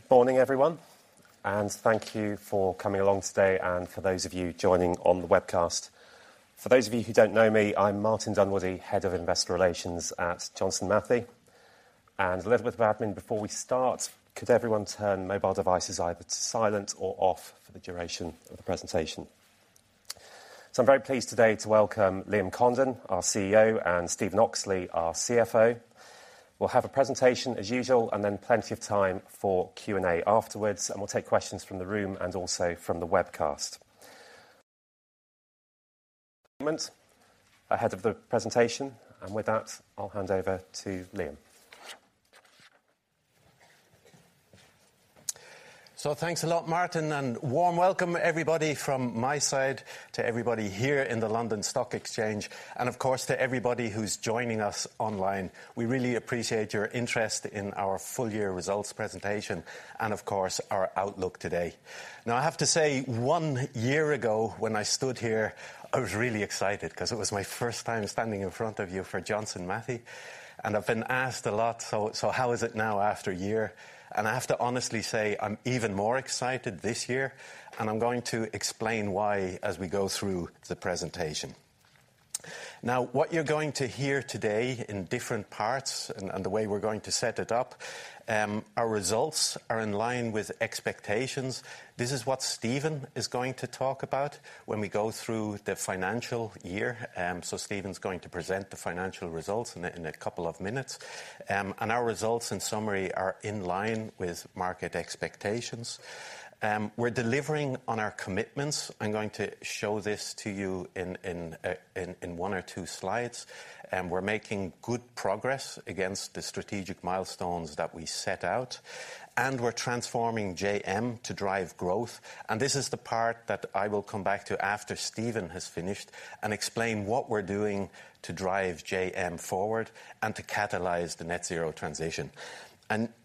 Good morning, everyone, and thank you for coming along today and for those of you joining on the webcast. For those of you who don't know me, I'm Martin Dunwoodie, Head of Investor Relations at Johnson Matthey. A little bit of admin before we start, could everyone turn mobile devices either to silent or off for the duration of the presentation? I'm very pleased today to welcome Liam Condon, our Chief Executive Office, and Stephen Oxley, our Chief Financial Officer. We'll have a presentation as usual, and then plenty of time for Q&A afterwards, and we'll take questions from the room and also from the webcast. Ahead of the presentation, and with that, I'll hand over to Liam. Thanks a lot, Martin, and warm welcome, everybody, from my side to everybody here in the London Stock Exchange, and of course, to everybody who's joining us online. We really appreciate your interest in our full-year results presentation and, of course, our outlook today. I have to say, one year ago, when I stood here, I was really excited because it was my first time standing in front of you for Johnson Matthey, and I've been asked a lot: So how is it now after a year? I have to honestly say, I'm even more excited this year, and I'm going to explain why as we go through the presentation. What you're going to hear today in different parts and the way we're going to set it up, our results are in line with expectations. This is what Stephen is going to talk about when we go through the financial year. Stephen's going to present the financial results in a couple of minutes. Our results, in summary, are in line with market expectations. We're delivering on our commitments. I'm going to show this to you in one or two slides, and we're making good progress against the strategic milestones that we set out, and we're transforming JM to drive growth. This is the part that I will come back to after Stephen has finished and explain what we're doing to drive JM forward and to catalyze the net zero transition.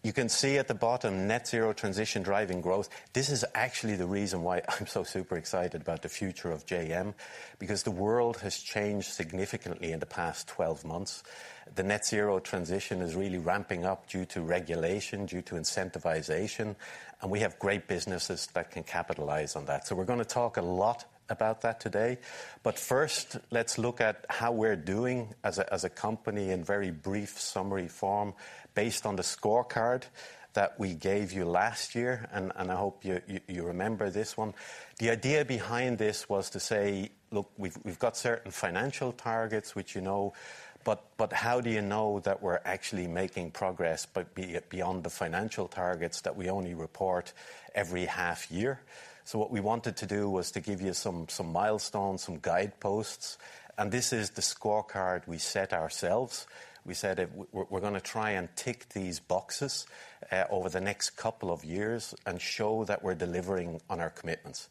You can see at the bottom, net zero transition driving growth. This is actually the reason why I'm so super excited about the future of JM, because the world has changed significantly in the past 12 months. The net zero transition is really ramping up due to regulation, due to incentivization, and we have great businesses that can capitalize on that. We're gonna talk a lot about that today. First, let's look at how we're doing as a company in very brief summary form, based on the scorecard that we gave you last year, and I hope you remember this one. The idea behind this was to say, "Look, we've got certain financial targets, which you know, but how do you know that we're actually making progress, beyond the financial targets that we only report every half year? What we wanted to do was to give you some milestones, some guideposts, and this is the scorecard we set ourselves. We said that we're gonna try and tick these boxes over the next couple of years and show that we're delivering on our commitments.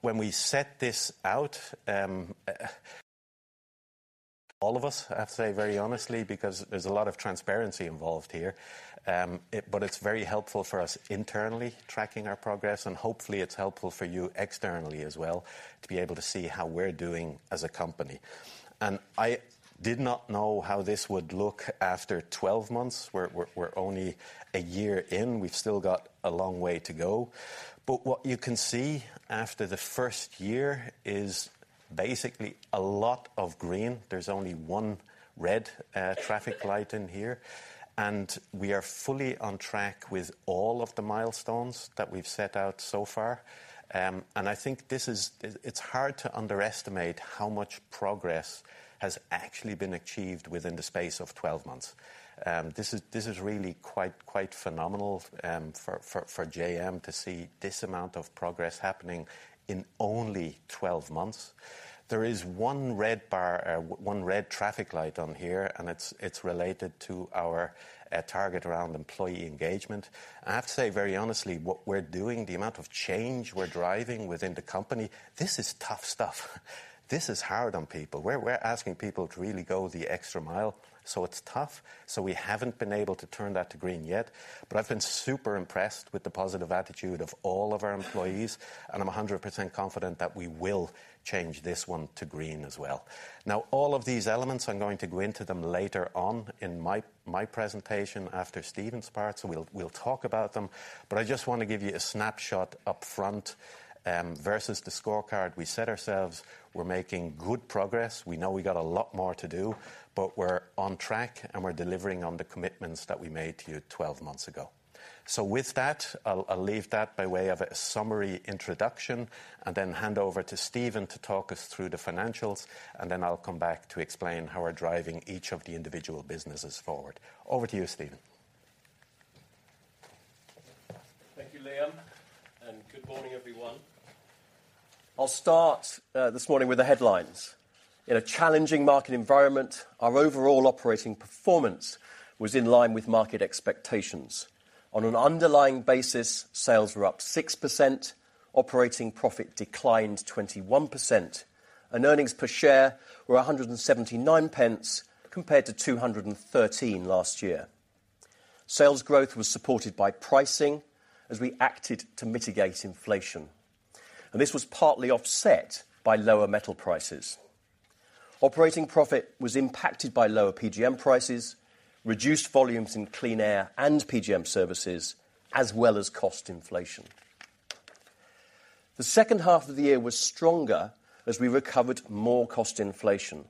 When we set this out, all of us, I have to say very honestly, because there's a lot of transparency involved here. But it's very helpful for us internally tracking our progress, and hopefully, it's helpful for you externally as well, to be able to see how we're doing as a company. I did not know how this would look after 12 months. We're only a year in. We've still got a long way to go. What you can see after the first year is basically a lot of green. There's only one red traffic light in here. We are fully on track with all of the milestones that we've set out so far. I think this is... It's hard to underestimate how much progress has actually been achieved within the space of 12 months. This is really quite phenomenal, for JM to see this amount of progress happening in only 12 months. There is one red bar, one red traffic light on here. It's related to our target around employee engagement. I have to say, very honestly, what we're doing, the amount of change we're driving within the company, this is tough stuff. This is hard on people. We're asking people to really go the extra mile, so it's tough. We haven't been able to turn that to green yet, but I've been super impressed with the positive attitude of all of our employees, and I'm 100% confident that we will change this one to green as well. All of these elements, I'm going to go into them later on in my presentation after Stephen's part. We'll talk about them. I just want to give you a snapshot up front. Versus the scorecard we set ourselves, we're making good progress. We know we got a lot more to do, but we're on track, and we're delivering on the commitments that we made to you 12 months ago. With that, I'll leave that by way of a summary introduction and then hand over to Stephen to talk us through the financials, and then I'll come back to explain how we're driving each of the individual businesses forward. Over to you, Stephen. Thank you, Liam. Good morning, everyone. I'll start this morning with the headlines. In a challenging market environment, our overall operating performance was in line with market expectations. On an underlying basis, sales were up 6%, operating profit declined 21%, and earnings per share were 1.79, compared to 213 last year. Sales growth was supported by pricing as we acted to mitigate inflation. This was partly offset by lower metal prices. Operating profit was impacted by lower PGM prices, reduced volumes in Clean Air and PGM Services, as well as cost inflation. The second half of the year was stronger as we recovered more cost inflation.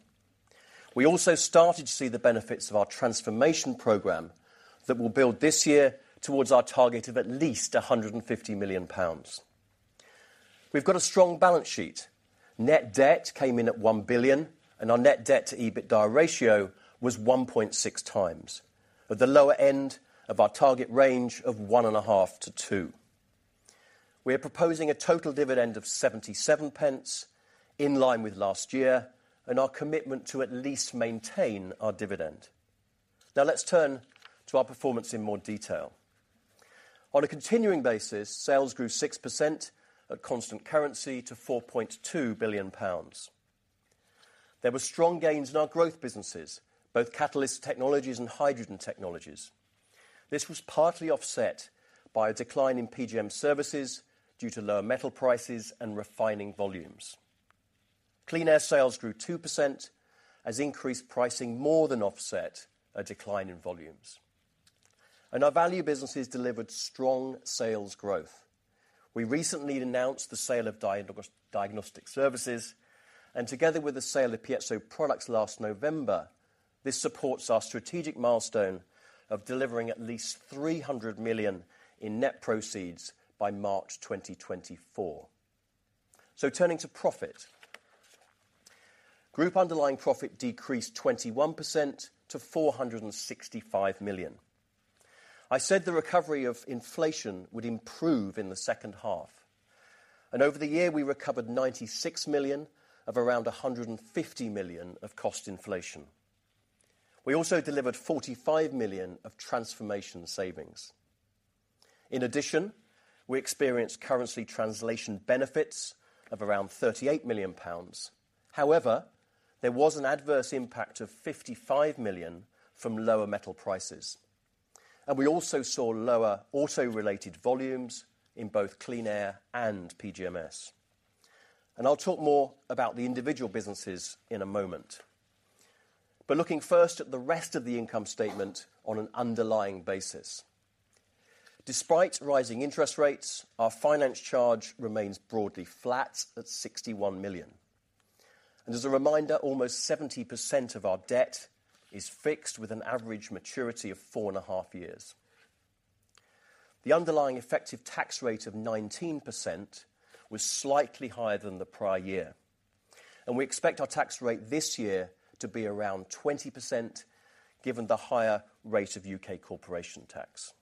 We also started to see the benefits of our transformation program that will build this year towards our target of at least 150 million pounds. We've got a strong balance sheet. Net debt came in at 1 billion, and our net debt to EBITDA ratio was 1.6 times, at the lower end of our target range of 1.5-2. We are proposing a total dividend of 77 pence, in line with last year, and our commitment to at least maintain our dividend. Let's turn to our performance in more detail. On a continuing basis, sales grew 6% at constant currency to 4.2 billion pounds. There were strong gains in our growth businesses, both Catalyst Technologies and Hydrogen Technologies. This was partly offset by a decline in PGM Services due to lower metal prices and refining volumes. Clean Air sales grew 2% as increased pricing more than offset a decline in volumes. Our value businesses delivered strong sales growth. We recently announced the sale of Diagnostic Services, together with the sale of Piezo Products last November, this supports our strategic milestone of delivering at least 300 million in net proceeds by March 2024. Turning to profit. Group underlying profit decreased 21% to 465 million. I said the recovery of inflation would improve in the second half, and over the year, we recovered 96 million of around 150 million of cost inflation. We also delivered 45 million of transformation savings. In addition, we experienced currency translation benefits of around 38 million pounds. There was an adverse impact of 55 million from lower metal prices, and we also saw lower auto-related volumes in both Clean Air and PGMS. I'll talk more about the individual businesses in a moment. Looking first at the rest of the income statement on an underlying basis. Despite rising interest rates, our finance charge remains broadly flat at 61 million. As a reminder, almost 70% of our debt is fixed, with an average maturity of four and a half years. The underlying effective tax rate of 19% was slightly higher than the prior year. We expect our tax rate this year to be around 20%, given the higher rate of U.K. corporation tax.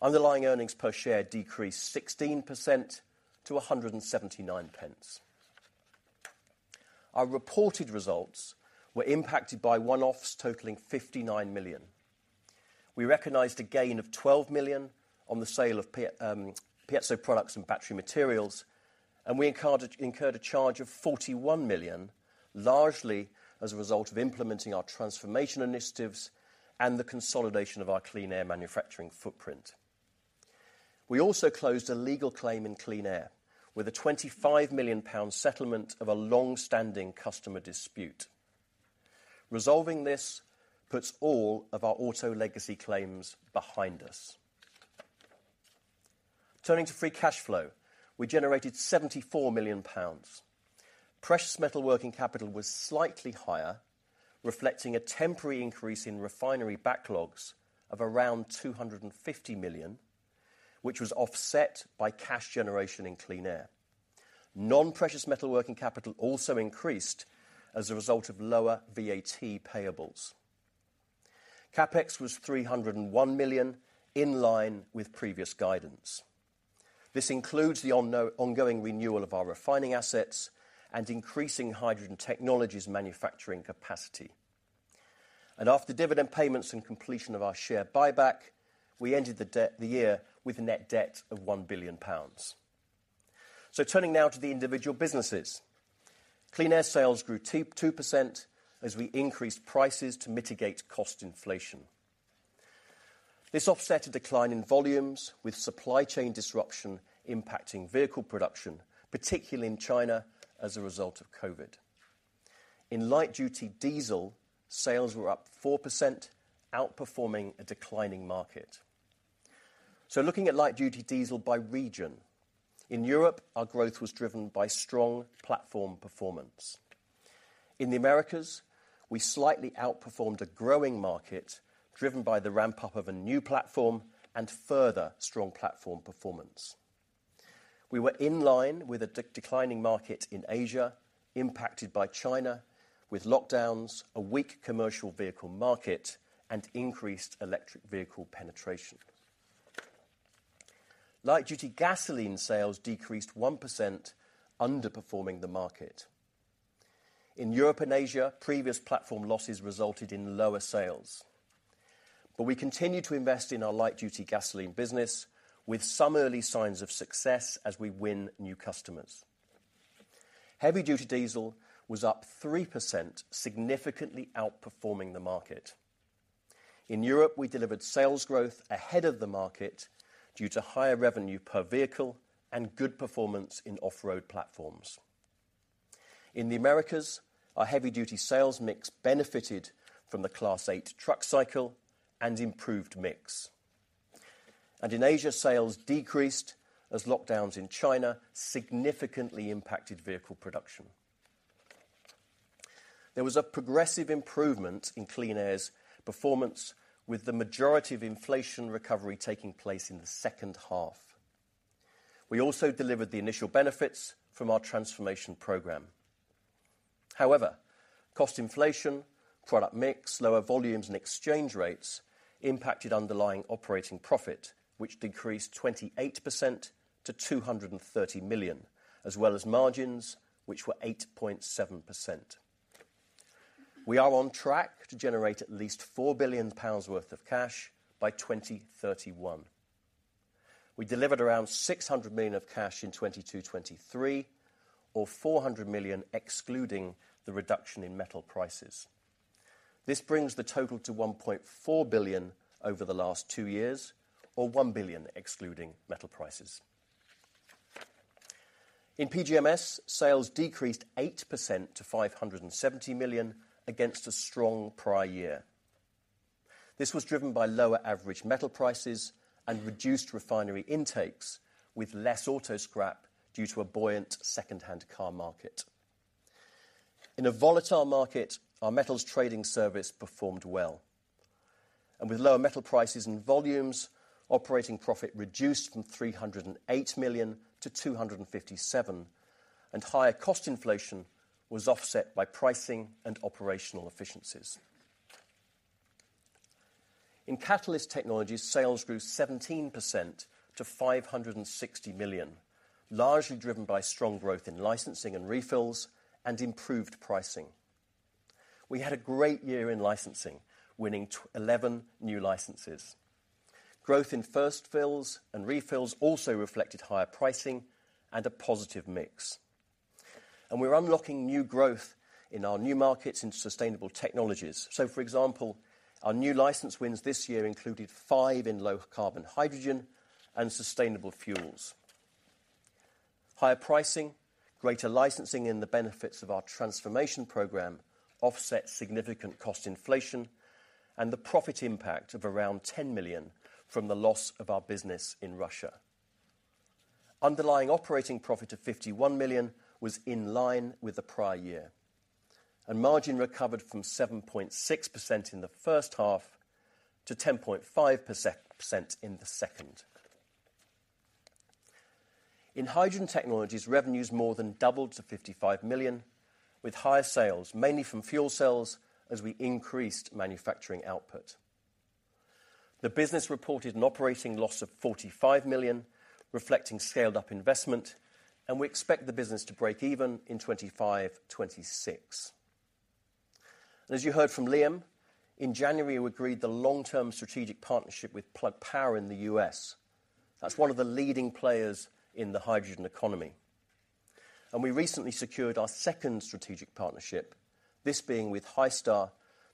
Underlying earnings per share decreased 16% to 179 pence. Our reported results were impacted by one-offs totaling 59 million. We recognized a gain of 12 million on the sale of Pi, Piezo Products and Battery Materials. We incurred a charge of 41 million, largely as a result of implementing our transformation initiatives and the consolidation of our Clean Air manufacturing footprint. We also closed a legal claim in Clean Air with a 25 million pound settlement of a long-standing customer dispute. Resolving this puts all of our auto legacy claims behind us. Turning to free cash flow, we generated 74 million pounds. Precious metal working capital was slightly higher, reflecting a temporary increase in refinery backlogs of around 250 million, which was offset by cash generation in Clean Air. Non-precious metal working capital also increased as a result of lower VAT payables. CapEx was 301 million, in line with previous guidance. This includes the ongoing renewal of our refining assets and increasing Hydrogen Technologies manufacturing capacity. After dividend payments and completion of our share buyback, we ended the year with a net debt of GBP 1 billion. Turning now to the individual businesses. Clean Air sales grew 2% as we increased prices to mitigate cost inflation. This offset a decline in volumes, with supply chain disruption impacting vehicle production, particularly in China, as a result of COVID. In light-duty diesel, sales were up 4%, outperforming a declining market. Looking at light-duty diesel by region. In Europe, our growth was driven by strong platform performance. In the Americas, we slightly outperformed a growing market, driven by the ramp-up of a new platform and further strong platform performance. We were in line with a declining market in Asia, impacted by China, with lockdowns, a weak commercial vehicle market, and increased electric vehicle penetration. Light-duty gasoline sales decreased 1%, underperforming the market. In Europe and Asia, previous platform losses resulted in lower sales, but we continue to invest in our light-duty gasoline business with some early signs of success as we win new customers. Heavy-duty diesel was up 3%, significantly outperforming the market. In Europe, we delivered sales growth ahead of the market due to higher revenue per vehicle and good performance in off-road platforms. In the Americas, our heavy duty sales mix benefited from the Class 8 truck cycle and improved mix. In Asia, sales decreased as lockdowns in China significantly impacted vehicle production. There was a progressive improvement in Clean Air's performance, with the majority of inflation recovery taking place in the second half. We also delivered the initial benefits from our transformation program. Cost inflation, product mix, lower volumes and exchange rates impacted underlying operating profit, which decreased 28% to 230 million, as well as margins, which were 8.7%. We are on track to generate at least 4 billion pounds worth of cash by 2031. We delivered around 600 million of cash in 2022, 2023, or 400 million, excluding the reduction in metal prices. This brings the total to 1.4 billion over the last 2 years, or 1 billion excluding metal prices. In PGMS, sales decreased 8% to 570 million against a strong prior year. This was driven by lower average metal prices and reduced refinery intakes, with less auto scrap due to a buoyant secondhand car market. In a volatile market, our metals trading service performed well. With lower metal prices and volumes, operating profit reduced from 308 million-257 million, and higher cost inflation was offset by pricing and operational efficiencies. In Catalyst Technologies, sales grew 17% to 560 million, largely driven by strong growth in licensing and refills and improved pricing. We had a great year in licensing, winning 11 new licenses. Growth in first fills and refills also reflected higher pricing and a positive mix. We're unlocking new growth in our new markets into sustainable technologies. For example, our new license wins this year included five in low carbon hydrogen and sustainable fuels. Higher pricing, greater licensing in the benefits of our transformation program, offset significant cost inflation and the profit impact of around 10 million from the loss of our business in Russia. Underlying operating profit of 51 million was in line with the prior year, and margin recovered from 7.6% in the first half to 10.5% in the second. In Hydrogen Technologies, revenues more than doubled to 55 million, with higher sales mainly from fuel cells as we increased manufacturing output. The business reported an operating loss of 45 million, reflecting scaled-up investment. We expect the business to break even in 2025, 2026. As you heard from Liam, in January, we agreed the long-term strategic partnership with Plug Power in the US. That's one of the leading players in the hydrogen economy. We recently secured our second strategic partnership, this being with Hystar,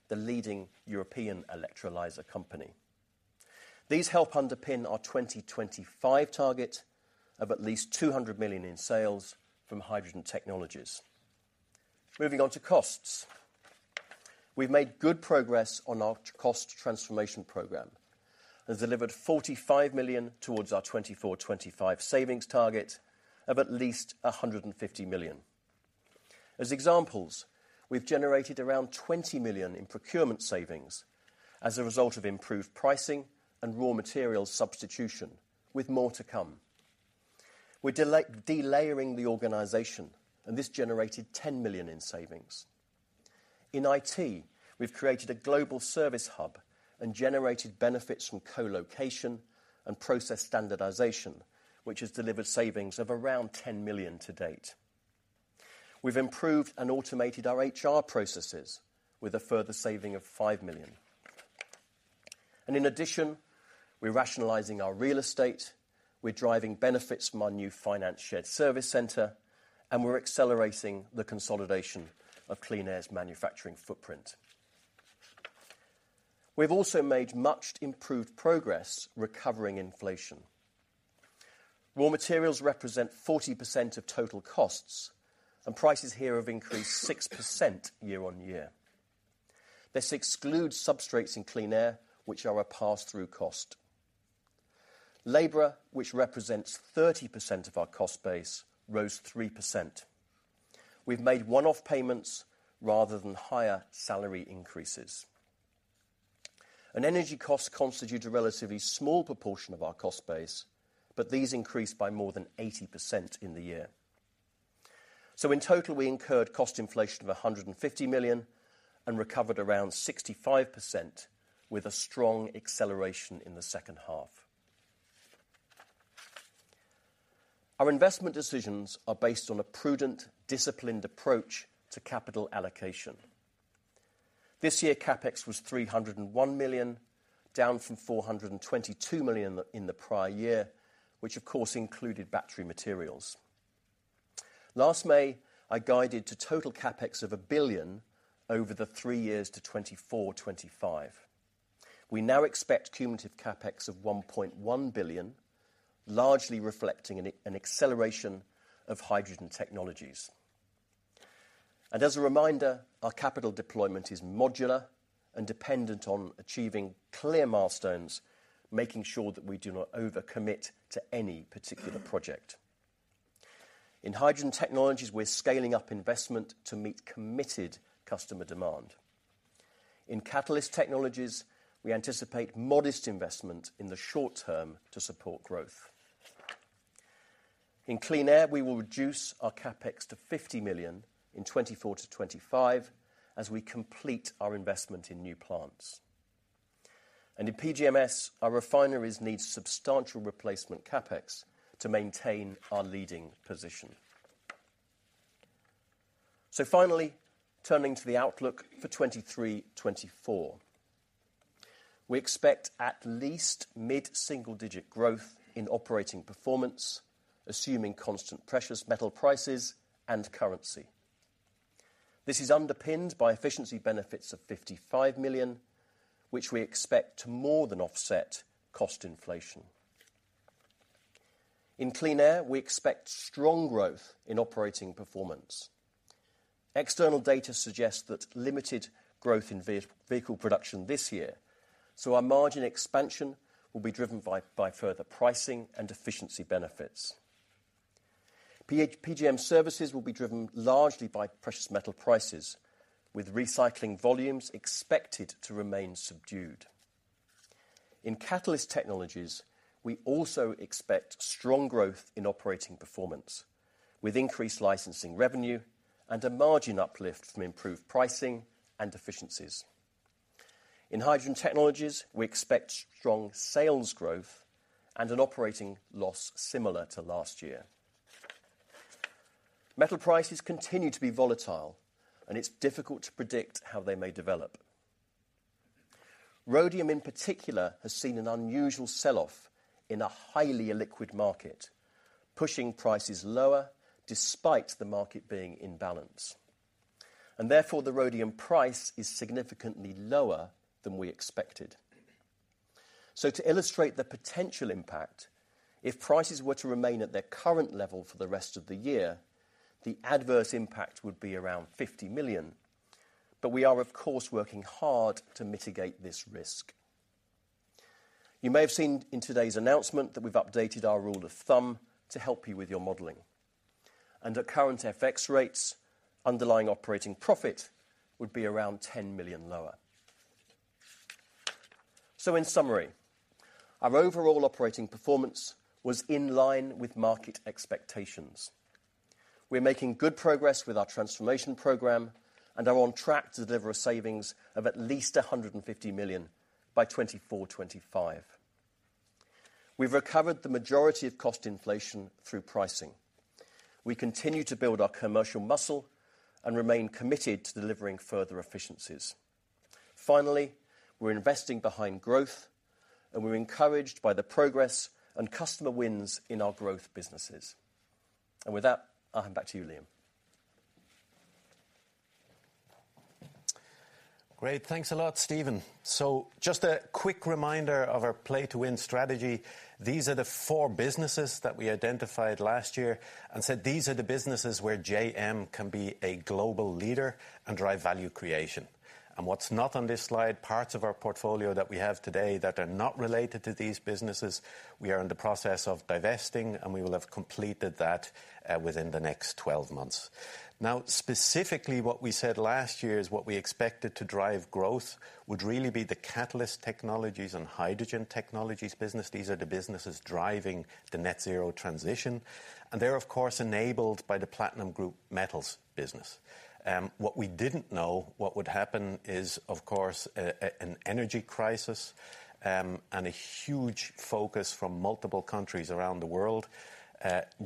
the leading European Electrolyzer company. These help underpin our 2025 target of at least 200 million in sales from Hydrogen Technologies. Moving on to costs. We've made good progress on our cost transformation program and delivered GBP 45 million towards our 2024, 2025 savings target of at least GBP 150 million. As examples, we've generated around 20 million in procurement savings as a result of improved pricing and raw material substitution, with more to come. We're delayering the organization. This generated 10 million in savings. In IT, we've created a global service hub and generated benefits from co-location and process standardization, which has delivered savings of around 10 million to date. We've improved and automated our HR processes with a further saving of 5 million. In addition, we're rationalizing our real estate, we're driving benefits from our new finance shared service center, and we're accelerating the consolidation of Clean Air's manufacturing footprint. We've also made much improved progress recovering inflation. Raw materials represent 40% of total costs, and prices here have increased 6% year-over-year. This excludes substrates in Clean Air, which are a pass-through cost. Labor, which represents 30% of our cost base, rose 3%. We've made one-off payments rather than higher salary increases. An energy cost constitute a relatively small proportion of our cost base, but these increased by more than 80% in the year. In total, we incurred cost inflation of 150 million and recovered around 65%, with a strong acceleration in the second half. Our investment decisions are based on a prudent, disciplined approach to capital allocation. This year, CapEx was 301 million, down from 422 million in the prior year, which of course included Battery Materials. Last May, I guided to total CapEx of 1 billion over the three years to 2024, 2025. We now expect cumulative CapEx of 1.1 billion, largely reflecting an acceleration of Hydrogen Technologies. As a reminder, our capital deployment is modular and dependent on achieving clear milestones, making sure that we do not overcommit to any particular project. In Hydrogen Technologies, we're scaling up investment to meet committed customer demand. In Catalyst Technologies, we anticipate modest investment in the short term to support growth. In Clean Air, we will reduce our CapEx to 50 million in 2024-2025 as we complete our investment in new plants. In PGMS, our refineries need substantial replacement CapEx to maintain our leading position. Finally, turning to the outlook for 2023-2024. We expect at least mid-single-digit growth in operating performance, assuming constant precious metal prices and currency. This is underpinned by efficiency benefits of 55 million, which we expect to more than offset cost inflation. In Clean Air, we expect strong growth in operating performance. External data suggests that limited growth in vehicle production this year, so our margin expansion will be driven by further pricing and efficiency benefits. PGM Services will be driven largely by precious metal prices, with recycling volumes expected to remain subdued. In Catalyst Technologies, we also expect strong growth in operating performance, with increased licensing revenue and a margin uplift from improved pricing and efficiencies. In Hydrogen Technologies, we expect strong sales growth and an operating loss similar to last year. Metal prices continue to be volatile. It's difficult to predict how they may develop. Rhodium, in particular, has seen an unusual sell-off in a highly illiquid market, pushing prices lower despite the market being in balance, and therefore, the rhodium price is significantly lower than we expected. To illustrate the potential impact, if prices were to remain at their current level for the rest of the year, the adverse impact would be around 50 million, but we are, of course, working hard to mitigate this risk. You may have seen in today's announcement that we've updated our rule of thumb to help you with your modeling. At current FX rates, underlying operating profit would be around 10 million lower. In summary, our overall operating performance was in line with market expectations. We're making good progress with our transformation program and are on track to deliver a savings of at least 150 million by 2024, 2025. We've recovered the majority of cost inflation through pricing. We continue to build our commercial muscle and remain committed to delivering further efficiencies. Finally, we're investing behind growth, and we're encouraged by the progress and customer wins in our growth businesses. With that, I'll hand back to you, Liam. Great. Thanks a lot, Stephen. Just a quick reminder of our Play to Win strategy. These are the four businesses that we identified last year and said these are the businesses where JM can be a global leader and drive value creation. What's not on this slide, parts of our portfolio that we have today that are not related to these businesses, we are in the process of divesting, and we will have completed that within the next 12 months. Now, specifically, what we said last year is what we expected to drive growth would really be the Catalyst Technologies and Hydrogen Technologies business. These are the businesses driving the net zero transition, and they're, of course, enabled by the platinum group metals business. What we didn't know, what would happen is, of course, an energy crisis, and a huge focus from multiple countries around the world,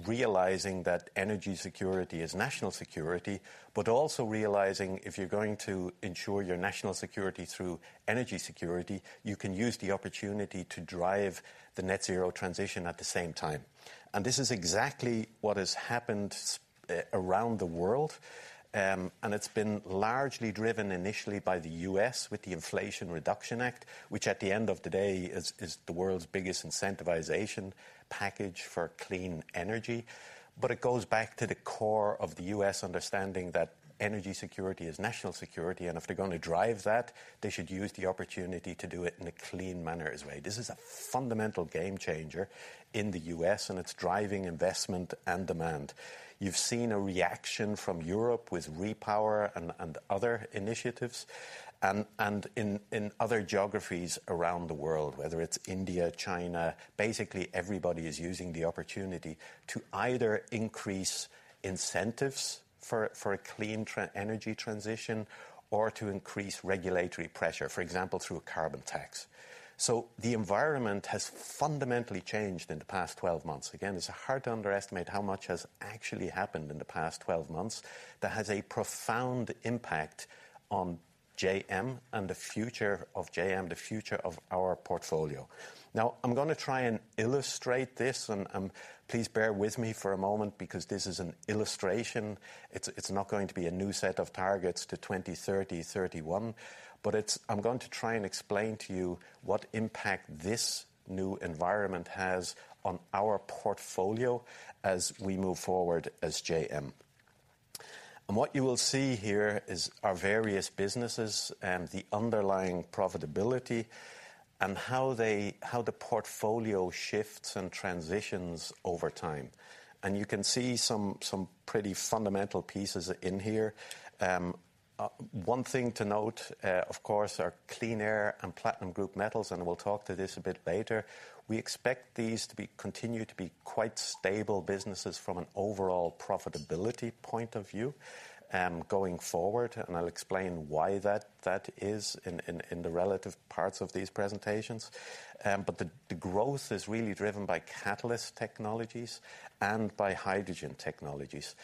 realizing that energy security is national security, but also realizing if you're going to ensure your national security through energy security, you can use the opportunity to drive the net zero transition at the same time. This is exactly what has happened around the world. It's been largely driven initially by the U.S. with the Inflation Reduction Act, which, at the end of the day, is the world's biggest incentivization package for clean energy. It goes back to the core of the U.S. understanding that energy security is national security, and if they're gonna drive that, they should use the opportunity to do it in a clean manner as well. This is a fundamental game changer in the U.S., and it's driving investment and demand. You've seen a reaction from Europe with REPowerEU and other initiatives and in other geographies around the world, whether it's India, China. Basically, everybody is using the opportunity to either increase incentives for a clean energy transition or to increase regulatory pressure, for example, through a carbon tax. The environment has fundamentally changed in the past 12 months. It's hard to underestimate how much has actually happened in the past 12 months that has a profound impact on JM and the future of JM, the future of our portfolio. I'm gonna try and illustrate this, and please bear with me for a moment because this is an illustration. It's not going to be a new set of targets to 2030, 2031, but I'm going to try and explain to you what impact this new environment has on our portfolio as we move forward as JM. What you will see here is our various businesses and the underlying profitability, and how they, how the portfolio shifts and transitions over time. You can see some pretty fundamental pieces in here. One thing to note, of course, our Clean Air and Platinum Group Metals, and we'll talk to this a bit later. We expect these to continue to be quite stable businesses from an overall profitability point of view, going forward, and I'll explain why that is in the relative parts of these presentations. The growth is really driven by Catalyst Technologies and by Hydrogen Technologies.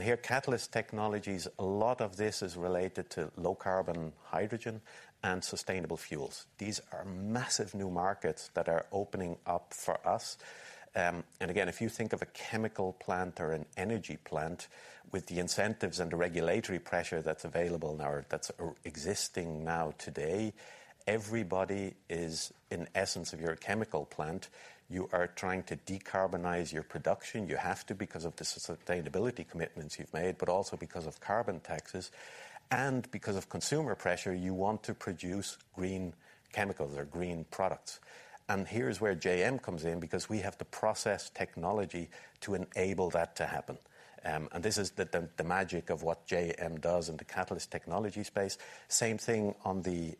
Here, Catalyst Technologies, a lot of this is related to low carbon, hydrogen, and sustainable fuels. These are massive new markets that are opening up for us. Again, if you think of a chemical plant or an energy plant, with the incentives and the regulatory pressure that's available now, that's existing now today, everybody is, in essence of your chemical plant, you are trying to decarbonize your production. You have to, because of the sustainability commitments you've made, but also because of carbon taxes. Because of consumer pressure, you want to produce green chemicals or green products. Here's where JM comes in, because we have the process technology to enable that to happen. This is the magic of what JM does in the Catalyst Technologies space. Same thing on the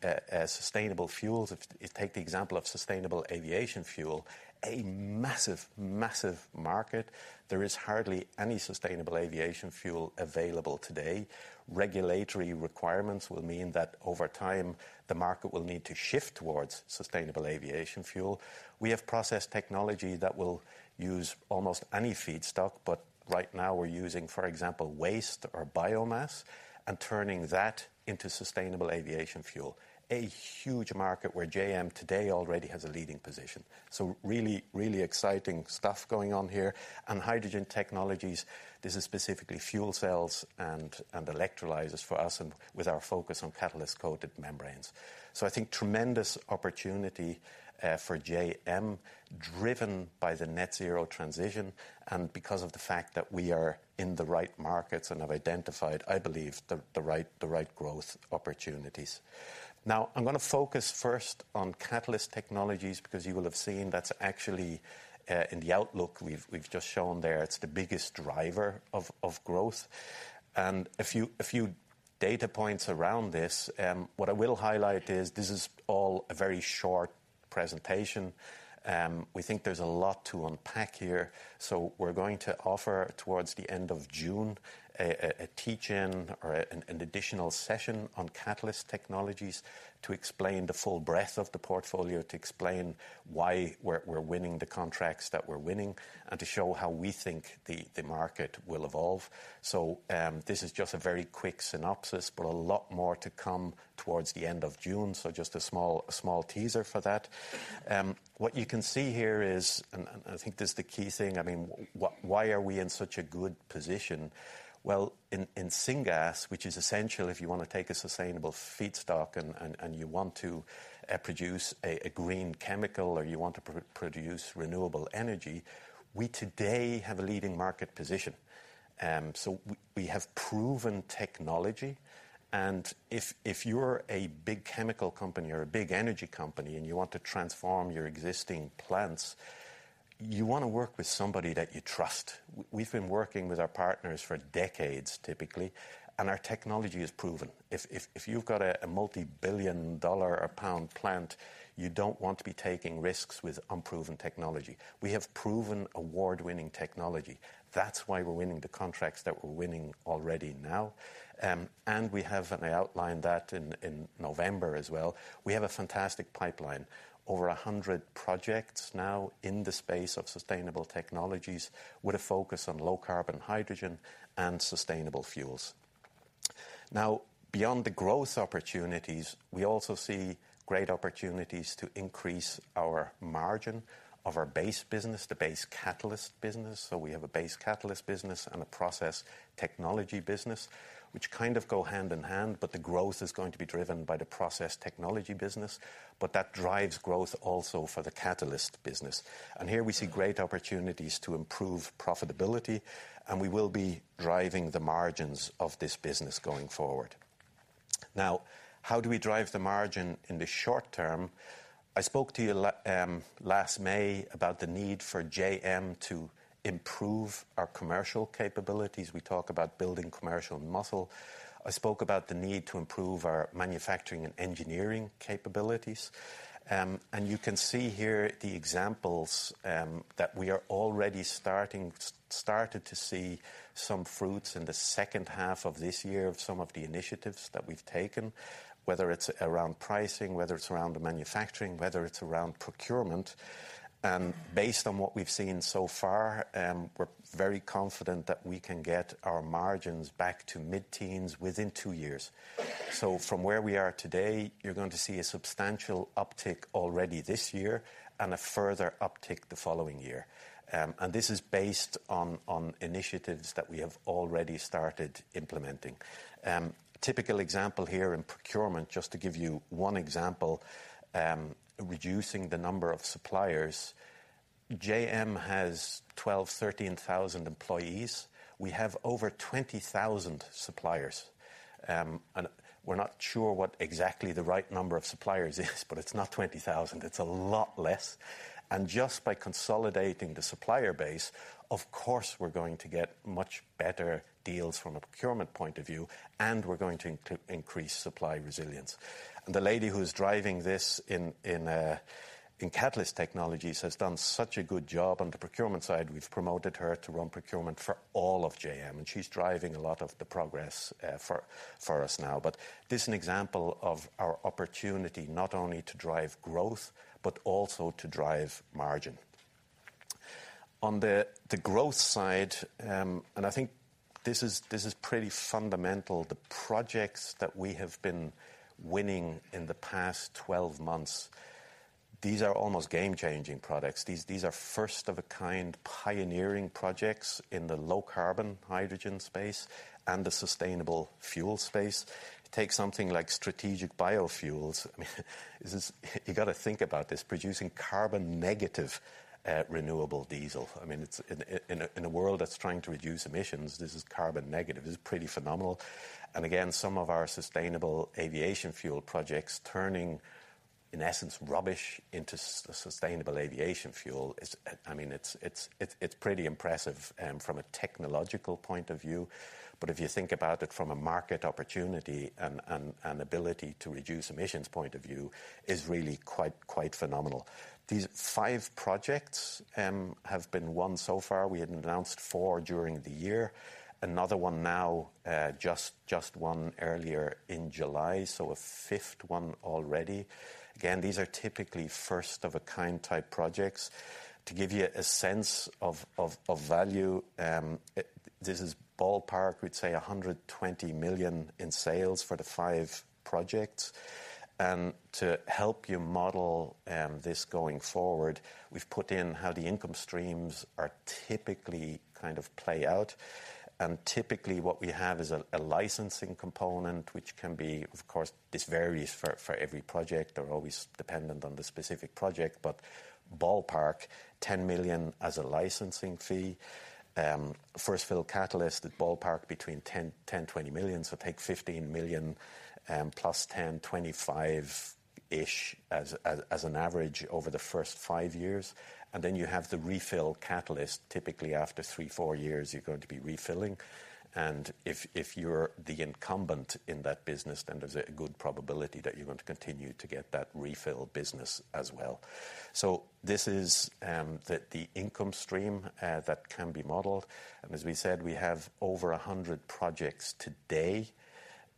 sustainable fuels. If you take the example of sustainable aviation fuel, a massive market, there is hardly any sustainable aviation fuel available today. Regulatory requirements will mean that over time, the market will need to shift towards sustainable aviation fuel. We have process technology that will use almost any feedstock, but right now we're using, for example, waste or biomass, and turning that into sustainable aviation fuel. A huge market where JM today already has a leading position. Really exciting stuff going on here. Hydrogen Technologies, this is specifically fuel cells and Electrolyzers for us, and with our focus on catalyst-coated membranes. I think tremendous opportunity for JM, driven by the net zero transition, and because of the fact that we are in the right markets and have identified, I believe, the right growth opportunities. I'm gonna focus first on Catalyst Technologies, because you will have seen that's actually in the outlook we've just shown there, it's the biggest driver of growth. A few data points around this. What I will highlight is this is all a very short presentation. We think there's a lot to unpack here, so we're going to offer, towards the end of June, a teach-in or an additional session on Catalyst Technologies, to explain the full breadth of the portfolio, to explain why we're winning the contracts that we're winning, and to show how we think the market will evolve. This is just a very quick synopsis, but a lot more to come towards the end of June. Just a small teaser for that. What you can see here is, and I think this is the key thing, I mean, why are we in such a good position? Well, in syngas, which is essential if you want to take a sustainable feedstock and you want to produce a green chemical, or you want to produce renewable energy, we today have a leading market position. We have proven technology, and if you're a big chemical company or a big energy company, and you want to transform your existing plants, you wanna work with somebody that you trust. We've been working with our partners for decades, typically, and our technology is proven. If you've got a multi-billion dollar or pound plant, you don't want to be taking risks with unproven technology. We have proven award-winning technology. That's why we're winning the contracts that we're winning already now. We have, and I outlined that in November as well, we have a fantastic pipeline. Over 100 projects in the space of sustainable technologies, with a focus on low carbon, hydrogen, and sustainable fuels. Beyond the growth opportunities, we also see great opportunities to increase our margin of our base business, the base catalyst business. We have a base catalyst business and a process technology business, which kind of go hand in hand, but the growth is going to be driven by the process technology business, but that drives growth also for the catalyst business. Here we see great opportunities to improve profitability, and we will be driving the margins of this business going forward. How do we drive the margin in the short term? I spoke to you last May about the need for JM to improve our commercial capabilities. We talk about building commercial muscle. I spoke about the need to improve our manufacturing and engineering capabilities. You can see here the examples that we are already started to see some fruits in the second half of this year, of some of the initiatives that we've taken, whether it's around pricing, whether it's around the manufacturing, whether it's around procurement. Based on what we've seen so far, we're very confident that we can get our margins back to mid-teens within two years. From where we are today, you're going to see a substantial uptick already this year, and a further uptick the following year. This is based on initiatives that we have already started implementing. Typical example here in procurement, just to give you one example, reducing the number of suppliers. JM has 12,000-13,000 employees. We have over 20,000 suppliers, we're not sure what exactly the right number of suppliers is, but it's not 20,000. It's a lot less. Just by consolidating the supplier base, of course, we're going to get much better deals from a procurement point of view, and we're going to increase supply resilience. The lady who's driving this in Catalyst Technologies has done such a good job on the procurement side. We've promoted her to run procurement for all of JM, and she's driving a lot of the progress for us now. This is an example of our opportunity, not only to drive growth, but also to drive margin. On the growth side, I think this is pretty fundamental. The projects that we have been winning in the past 12 months, these are almost game-changing products. These are first-of-a-kind pioneering projects in the low carbon, hydrogen space and the sustainable fuel space. Take something like Strategic Biofuels. I mean, you gotta think about this, producing carbon negative, renewable diesel. I mean, it's. In a world that's trying to reduce emissions, this is carbon negative. This is pretty phenomenal. Again, some of our sustainable aviation fuel projects, turning, in essence, rubbish into sustainable aviation fuel is, I mean, it's pretty impressive from a technological point of view. If you think about it from a market opportunity and an ability to reduce emissions point of view, is really quite phenomenal. These five projects have been won so far. We had announced four during the year. Another one now, just won earlier in July, so a fifth one already. These are typically first-of-a-kind type projects. To give you a sense of value, this is ballpark, we'd say 120 million in sales for the five projects. To help you model this going forward, we've put in how the income streams are typically kind of play out. Typically, what we have is a licensing component, which can be, of course, this varies for every project, or always dependent on the specific project, but ballpark 10 million as a licensing fee. First-field catalyst at ballpark between 10 million-20 million, so take 15 million, plus 10 million-25 million-ish, as an average over the first 5 years. Then you have the refill catalyst. Typically, after three, four years, you're going to be refilling. If you're the incumbent in that business, then there's a good probability that you're going to continue to get that refill business as well. This is the income stream that can be modeled. As we said, we have over 100 projects today.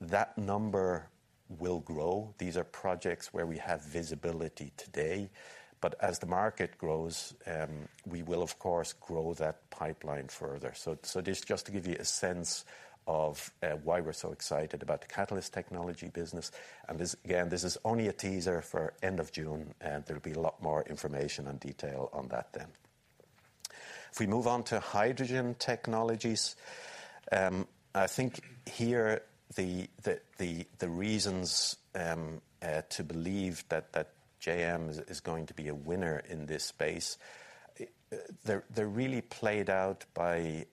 That number will grow. These are projects where we have visibility today, but as the market grows, we will of course, grow that pipeline further. Just to give you a sense of why we're so excited about the Catalyst Technologies business, and this, again, this is only a teaser for end of June, and there'll be a lot more information and detail on that then. If we move on to Hydrogen Technologies, I think here, the reasons to believe that JM is going to be a winner in this space, they're really played out by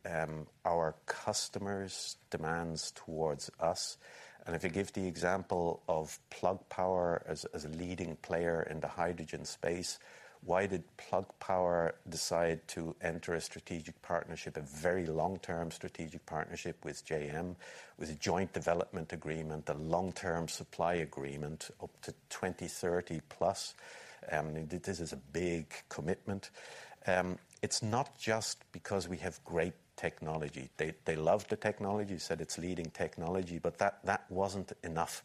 our customers' demands towards us. If you give the example of Plug Power as a leading player in the hydrogen space, why did Plug Power decide to enter a strategic partnership, a very long-term strategic partnership with JM, with a joint development agreement, a long-term supply agreement, up to 2030+? This is a big commitment. It's not just because we have great technology. They love the technology, said it's leading technology, but that wasn't enough.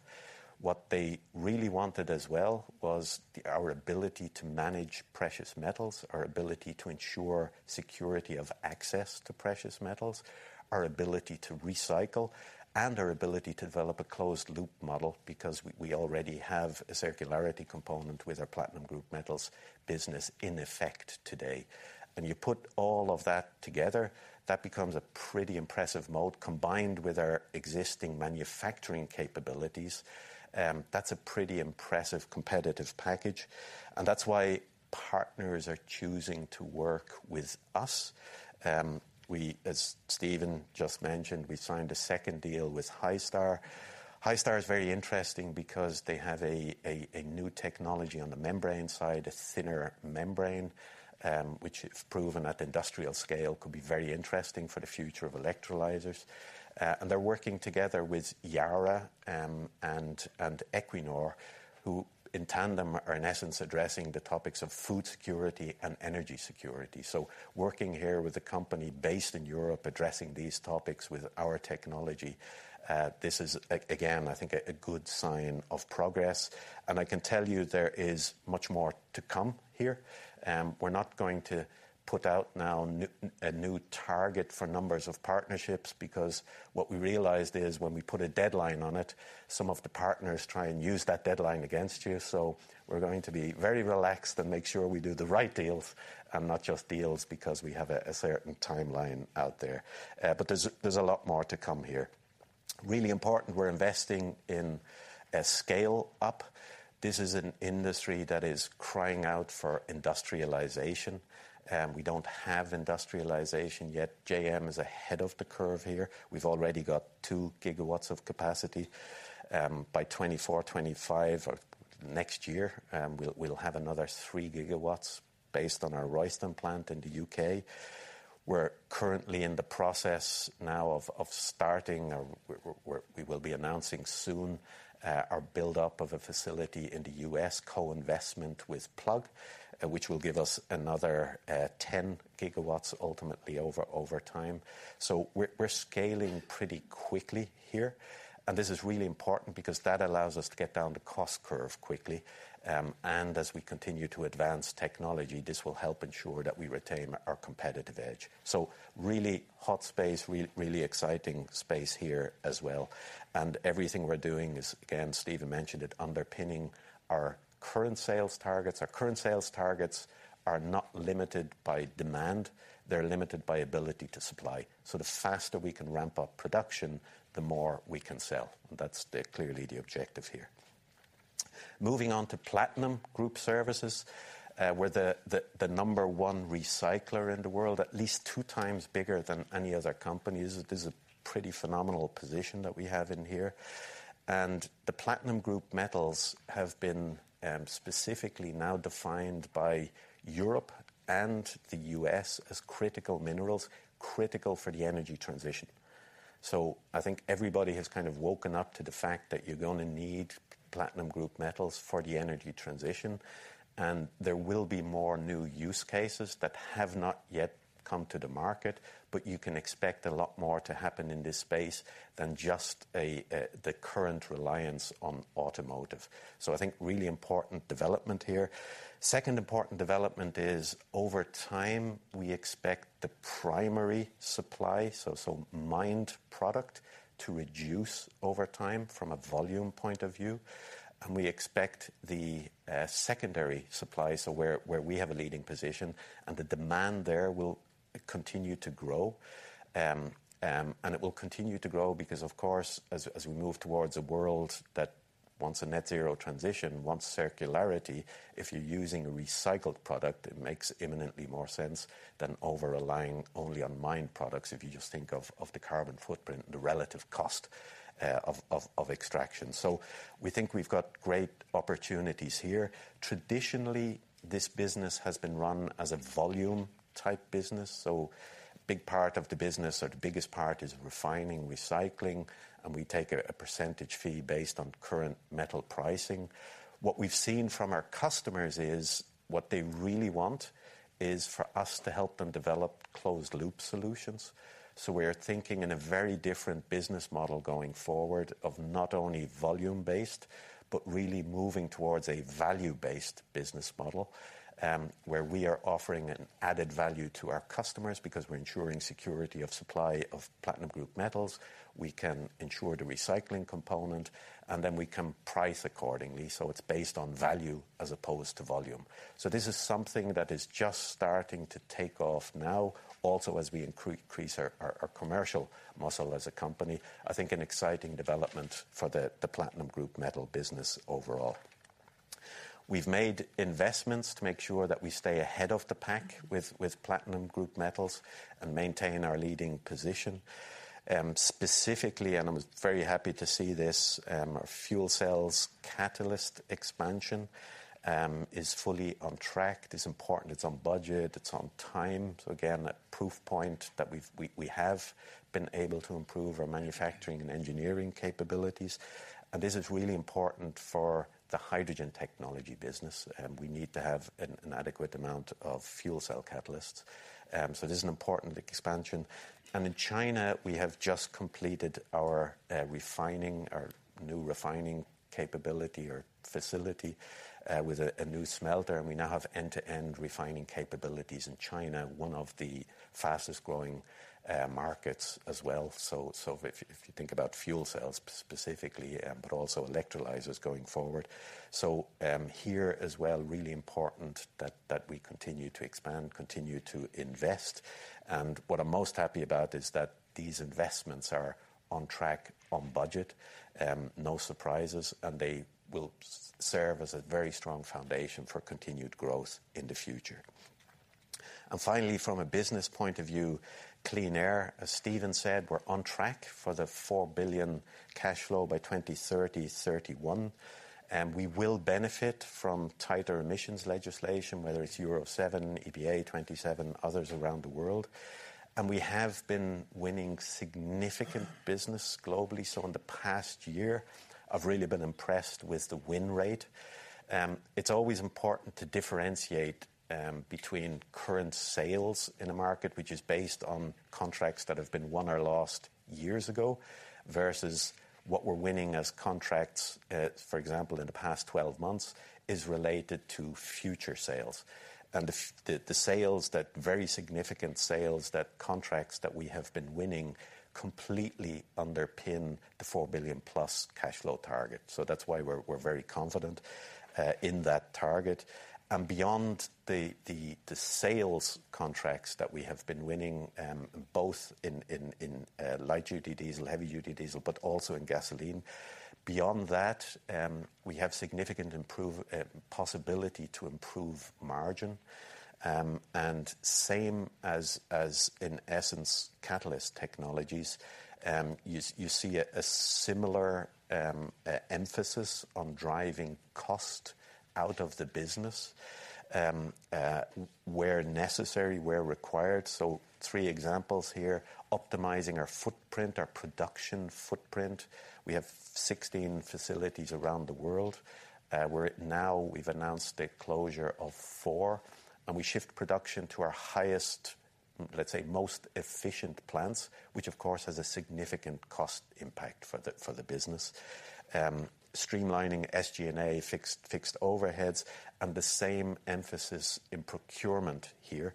What they really wanted as well, was our ability to manage precious metals, our ability to ensure security of access to precious metals, our ability to recycle, and our ability to develop a closed loop model, because we already have a circularity component with our platinum group metals business in effect today. You put all of that together, that becomes a pretty impressive mode, combined with our existing manufacturing capabilities, that's a pretty impressive competitive package. That's why partners are choosing to work with us. We, as Stephen just mentioned, we signed a second deal with Hystar. Hystar is very interesting because they have a new technology on the membrane side, a thinner membrane, which it's proven at industrial scale, could be very interesting for the future of Electrolysers. They're working together with Yara and Equinor, who, in tandem, are in essence, addressing the topics of food security and energy security. Working here with a company based in Europe, addressing these topics with our technology, this is again, I think, a good sign of progress. I can tell you there is much more to come here. We're not going to put out now a new target for numbers of partnerships, because what we realized is when we put a deadline on it, some of the partners try and use that deadline against you. We're going to be very relaxed and make sure we do the right deals, and not just deals, because we have a certain timeline out there. There's a lot more to come here. Really important, we're investing in a scale up. This is an industry that is crying out for industrialization, and we don't have industrialization yet. JM is ahead of the curve here. We've already got 2 GWs of capacity. By 2024, 2025, or next year, we'll have another 3 gigawatts based on our Royston plant in the U.K. We're currently in the process now of starting or we will be announcing soon our build up of a facility in the U.S., co-investment with Plug Power, which will give us another 10 GWs ultimately over time. We're scaling pretty quickly here, and this is really important because that allows us to get down the cost curve quickly. As we continue to advance technology, this will help ensure that we retain our competitive edge. Really hot space, really exciting space here as well. Everything we're doing is, again, Stephen mentioned it, underpinning our current sales targets. Our current sales targets are not limited by demand, they're limited by ability to supply. The faster we can ramp up production, the more we can sell, and that's clearly the objective here. Moving on to PGM Services. We're the number 1 recycler in the world, at least 2x bigger than any other company. This is a pretty phenomenal position that we have in here. The Platinum group metals have been specifically now defined by Europe and the U.S. as critical minerals, critical for the energy transition. I think everybody has kind of woken up to the fact that you're going to need platinum group metals for the energy transition, and there will be more new use cases that have not yet come to the market, but you can expect a lot more to happen in this space than just a the current reliance on automotive. I think really important development here. Second important development is, over time, we expect the primary supply, so mined product, to reduce over time from a volume point of view. We expect the secondary supply, so where we have a leading position, and the demand there will continue to grow. It will continue to grow because, of course, as we move towards a world that wants a net zero transition, wants circularity, if you're using a recycled product, it makes imminently more sense than over-relying only on mined products, if you just think of the carbon footprint, the relative cost of extraction. We think we've got great opportunities here. Traditionally, this business has been run as a volume-type business, big part of the business or the biggest part is refining, recycling, and we take a percentage fee based on current metal pricing. What we've seen from our customers is, what they really want is for us to help them develop closed loop solutions. We're thinking in a very different business model going forward of not only volume-based, but really moving towards a value-based business model. Where we are offering an added value to our customers because we're ensuring security of supply of platinum group metals, we can ensure the recycling component, and then we can price accordingly, so it's based on value as opposed to volume. This is something that is just starting to take off now. Also, as we increase our commercial muscle as a company, I think an exciting development for the platinum group metal business overall. We've made investments to make sure that we stay ahead of the pack with platinum group metals and maintain our leading position. Specifically, and I'm very happy to see this, our fuel cells catalyst expansion is fully on track. It's important. It's on budget, it's on time. Again, a proof point that we've... We have been able to improve our manufacturing and engineering capabilities, and this is really important for the hydrogen technology business. We need to have an adequate amount of fuel cell catalysts. This is an important expansion. In China, we have just completed our new refining capability or facility with a new smelter. We now have end-to-end refining capabilities in China, one of the fastest growing markets as well. If you think about fuel cells specifically, but also Electrolyzers going forward. Here as well, really important that we continue to expand, continue to invest. What I'm most happy about is that these investments are on track, on budget, no surprises, and they will serve as a very strong foundation for continued growth in the future. Finally, from a business point of view, Clean Air, as Stephen said, we're on track for the 4 billion cash flow by 2030, 2031. We will benefit from tighter emissions legislation, whether it's Euro 7, EPA 2027, others around the world. We have been winning significant business globally. In the past year, I've really been impressed with the win rate. It's always important to differentiate between current sales in a market, which is based on contracts that have been won or lost years ago, versus what we're winning as contracts, for example, in the past 12 months, is related to future sales. The sales that, very significant sales, that contracts that we have been winning completely underpin the 4 billion plus cash flow target. That's why we're very confident in that target. Beyond the sales contracts that we have been winning, both in light duty diesel, heavy duty diesel, but also in gasoline. Beyond that, we have significant possibility to improve margin. Same as in essence Catalyst Technologies, you see a similar emphasis on driving cost out of the business where necessary, where required. Three examples here: optimizing our footprint, our production footprint. We have 16 facilities around the world, where now we've announced the closure of four, and we shift production to our highest, let's say, most efficient plants, which of course, has a significant cost impact for the business. Streamlining SG&A fixed overheads, and the same emphasis in procurement here.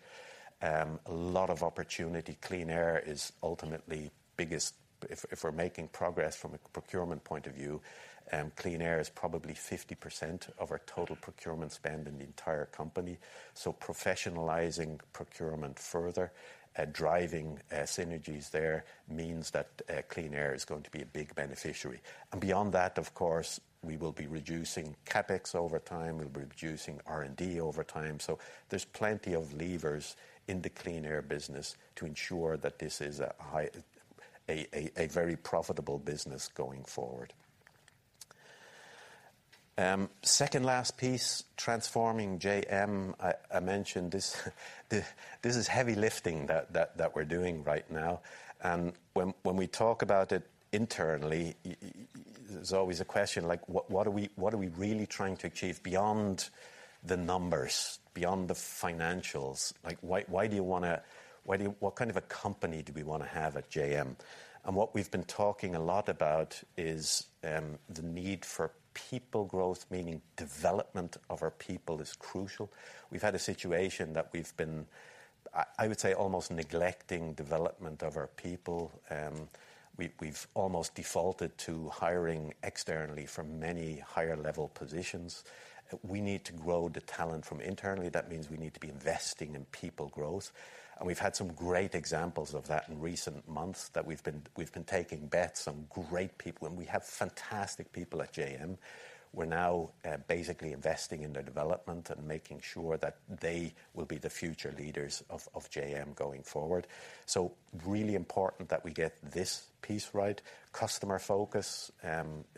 A lot of opportunity. Clean Air is ultimately biggest... If we're making progress from a procurement point of view, Clean Air is probably 50% of our total procurement spend in the entire company. Professionalizing procurement further, and driving synergies there, means that Clean Air is going to be a big beneficiary. Beyond that, of course, we will be reducing CapEx over time, we'll be reducing R&D over time. There's plenty of levers in the Clean Air business to ensure that this is a high, a very profitable business going forward. Second last piece, transforming JM. I mentioned this is heavy lifting that we're doing right now. When we talk about it internally, there's always a question like: What are we really trying to achieve beyond the numbers, beyond the financials? Like, what kind of a company do we wanna have at JM? What we've been talking a lot about is the need for people growth, meaning development of our people is crucial. We've had a situation that we've been, I would say, almost neglecting development of our people. We've almost defaulted to hiring externally from many higher level positions. We need to grow the talent from internally. That means we need to be investing in people growth, and we've had some great examples of that in recent months, that we've been taking bets on great people, and we have fantastic people at JM. We're now basically investing in their development and making sure that they will be the future leaders of JM going forward. Really important that we get this piece right. Customer focus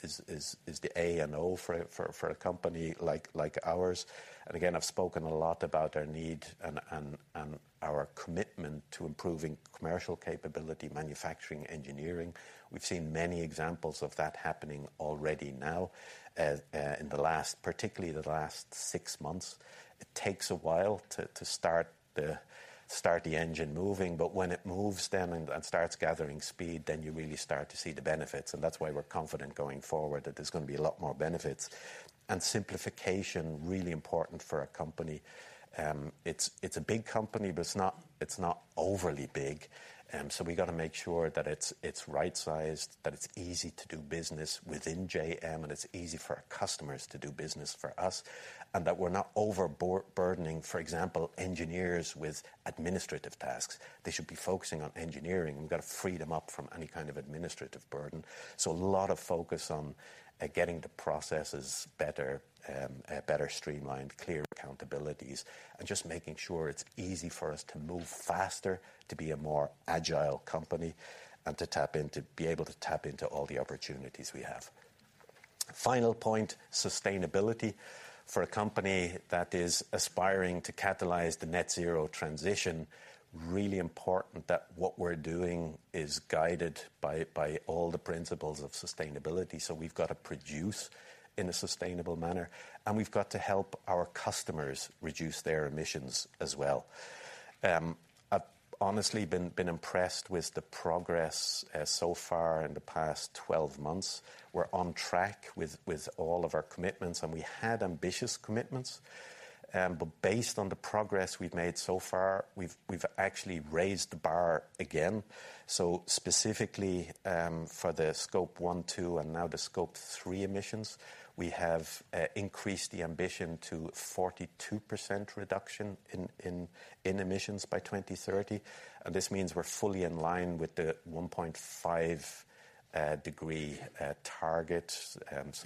is the A and O for a company like ours. Again, I've spoken a lot about our need and our commitment to improving commercial capability, manufacturing, engineering. We've seen many examples of that happening already now in the last, particularly the last six months. It takes a while to start the engine moving, but when it moves then and starts gathering speed, then you really start to see the benefits. That's why we're confident going forward that there's gonna be a lot more benefits. Simplification, really important for our company. It's a big company, but it's not overly big. We gotta make sure that it's right-sized, that it's easy to do business within JM, and it's easy for our customers to do business for us, and that we're not burdening, for example, engineers with administrative tasks. They should be focusing on engineering. We've got to free them up from any kind of administrative burden. A lot of focus on getting the processes better streamlined, clear accountabilities, and just making sure it's easy for us to move faster, to be a more agile company, and to be able to tap into all the opportunities we have. Final point, sustainability. For a company that is aspiring to catalyze the net zero transition, really important that what we're doing is guided by all the principles of sustainability. We've got to produce in a sustainable manner, and we've got to help our customers reduce their emissions as well. I've honestly been impressed with the progress so far in the past 12 months. We're on track with all of our commitments, and we had ambitious commitments. But based on the progress we've made so far, we've actually raised the bar again. Specifically, for the Scope 1, 2, and now the Scope 3 emissions, we have increased the ambition to 42% reduction in emissions by 2030. This means we're fully in line with the 1.5 degree target.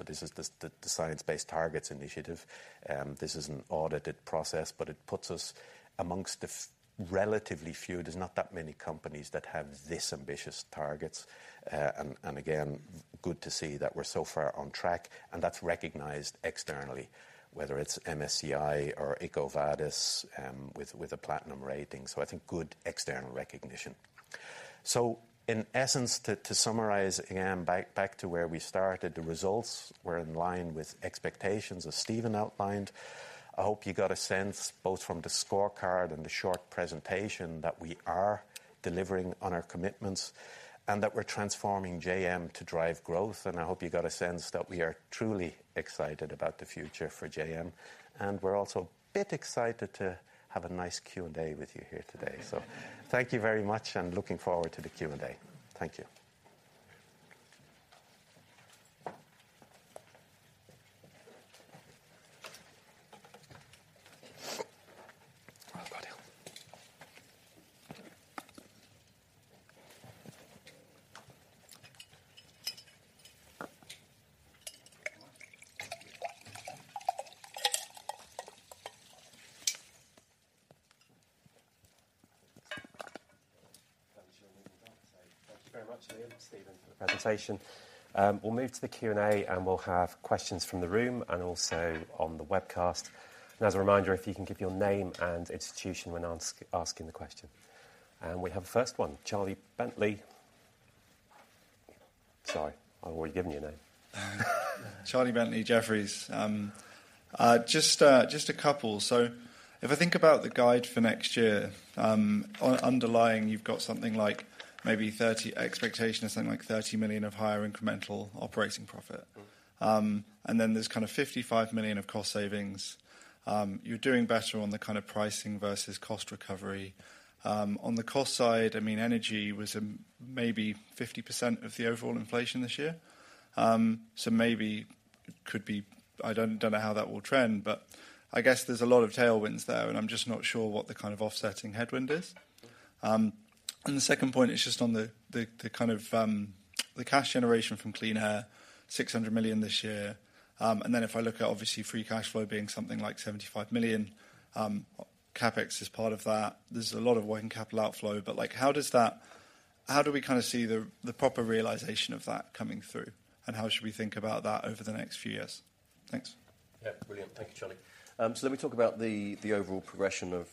This is the Science Based Targets initiative. This is an audited process, but it puts us amongst a relatively few, there's not that many companies that have this ambitious targets. Again, good to see that we're so far on track, and that's recognized externally, whether it's MSCI or EcoVadis, with a platinum rating. I think good external recognition. In essence, to summarize again, back to where we started, the results were in line with expectations, as Stephen outlined. I hope you got a sense, both from the scorecard and the short presentation, that we are delivering on our commitments, and that we're transforming JM to drive growth. I hope you got a sense that we are truly excited about the future for JM, and we're also a bit excited to have a nice Q&A with you here today. Thank you very much, and looking forward to the Q&A. Thank you. Thank you very much, Liam, Stephen, for the presentation. We'll move to the Q&A, we'll have questions from the room and also on the webcast. As a reminder, if you can give your name and institution when asking the question. We have the first one. [inaudible] Sorry, I've already given your name. Just a couple. If I think about the guide for next year, underlying, you've got something like maybe 30 expectation or something like 30 million of higher incremental operating profit. There's kind of 55 million of cost savings. You're doing better on the kind of pricing versus cost recovery. On the cost side, I mean, energy was maybe 50% of the overall inflation this year. Maybe it could be... I don't know how that will trend, but I guess there's a lot of tailwinds there, and I'm just not sure what the kind of offsetting headwind is. The second point is just on the kind of the cash generation from Clean Air, 600 million this year. If I look at, obviously, free cash flow being something like 75 million, CapEx is part of that. There's a lot of working capital outflow, but, like, how do we kind of see the proper realization of that coming through? How should we think about that over the next few years? Thanks. Yeah, brilliant. Thank you, Charlie Webb. Let me talk about the overall progression of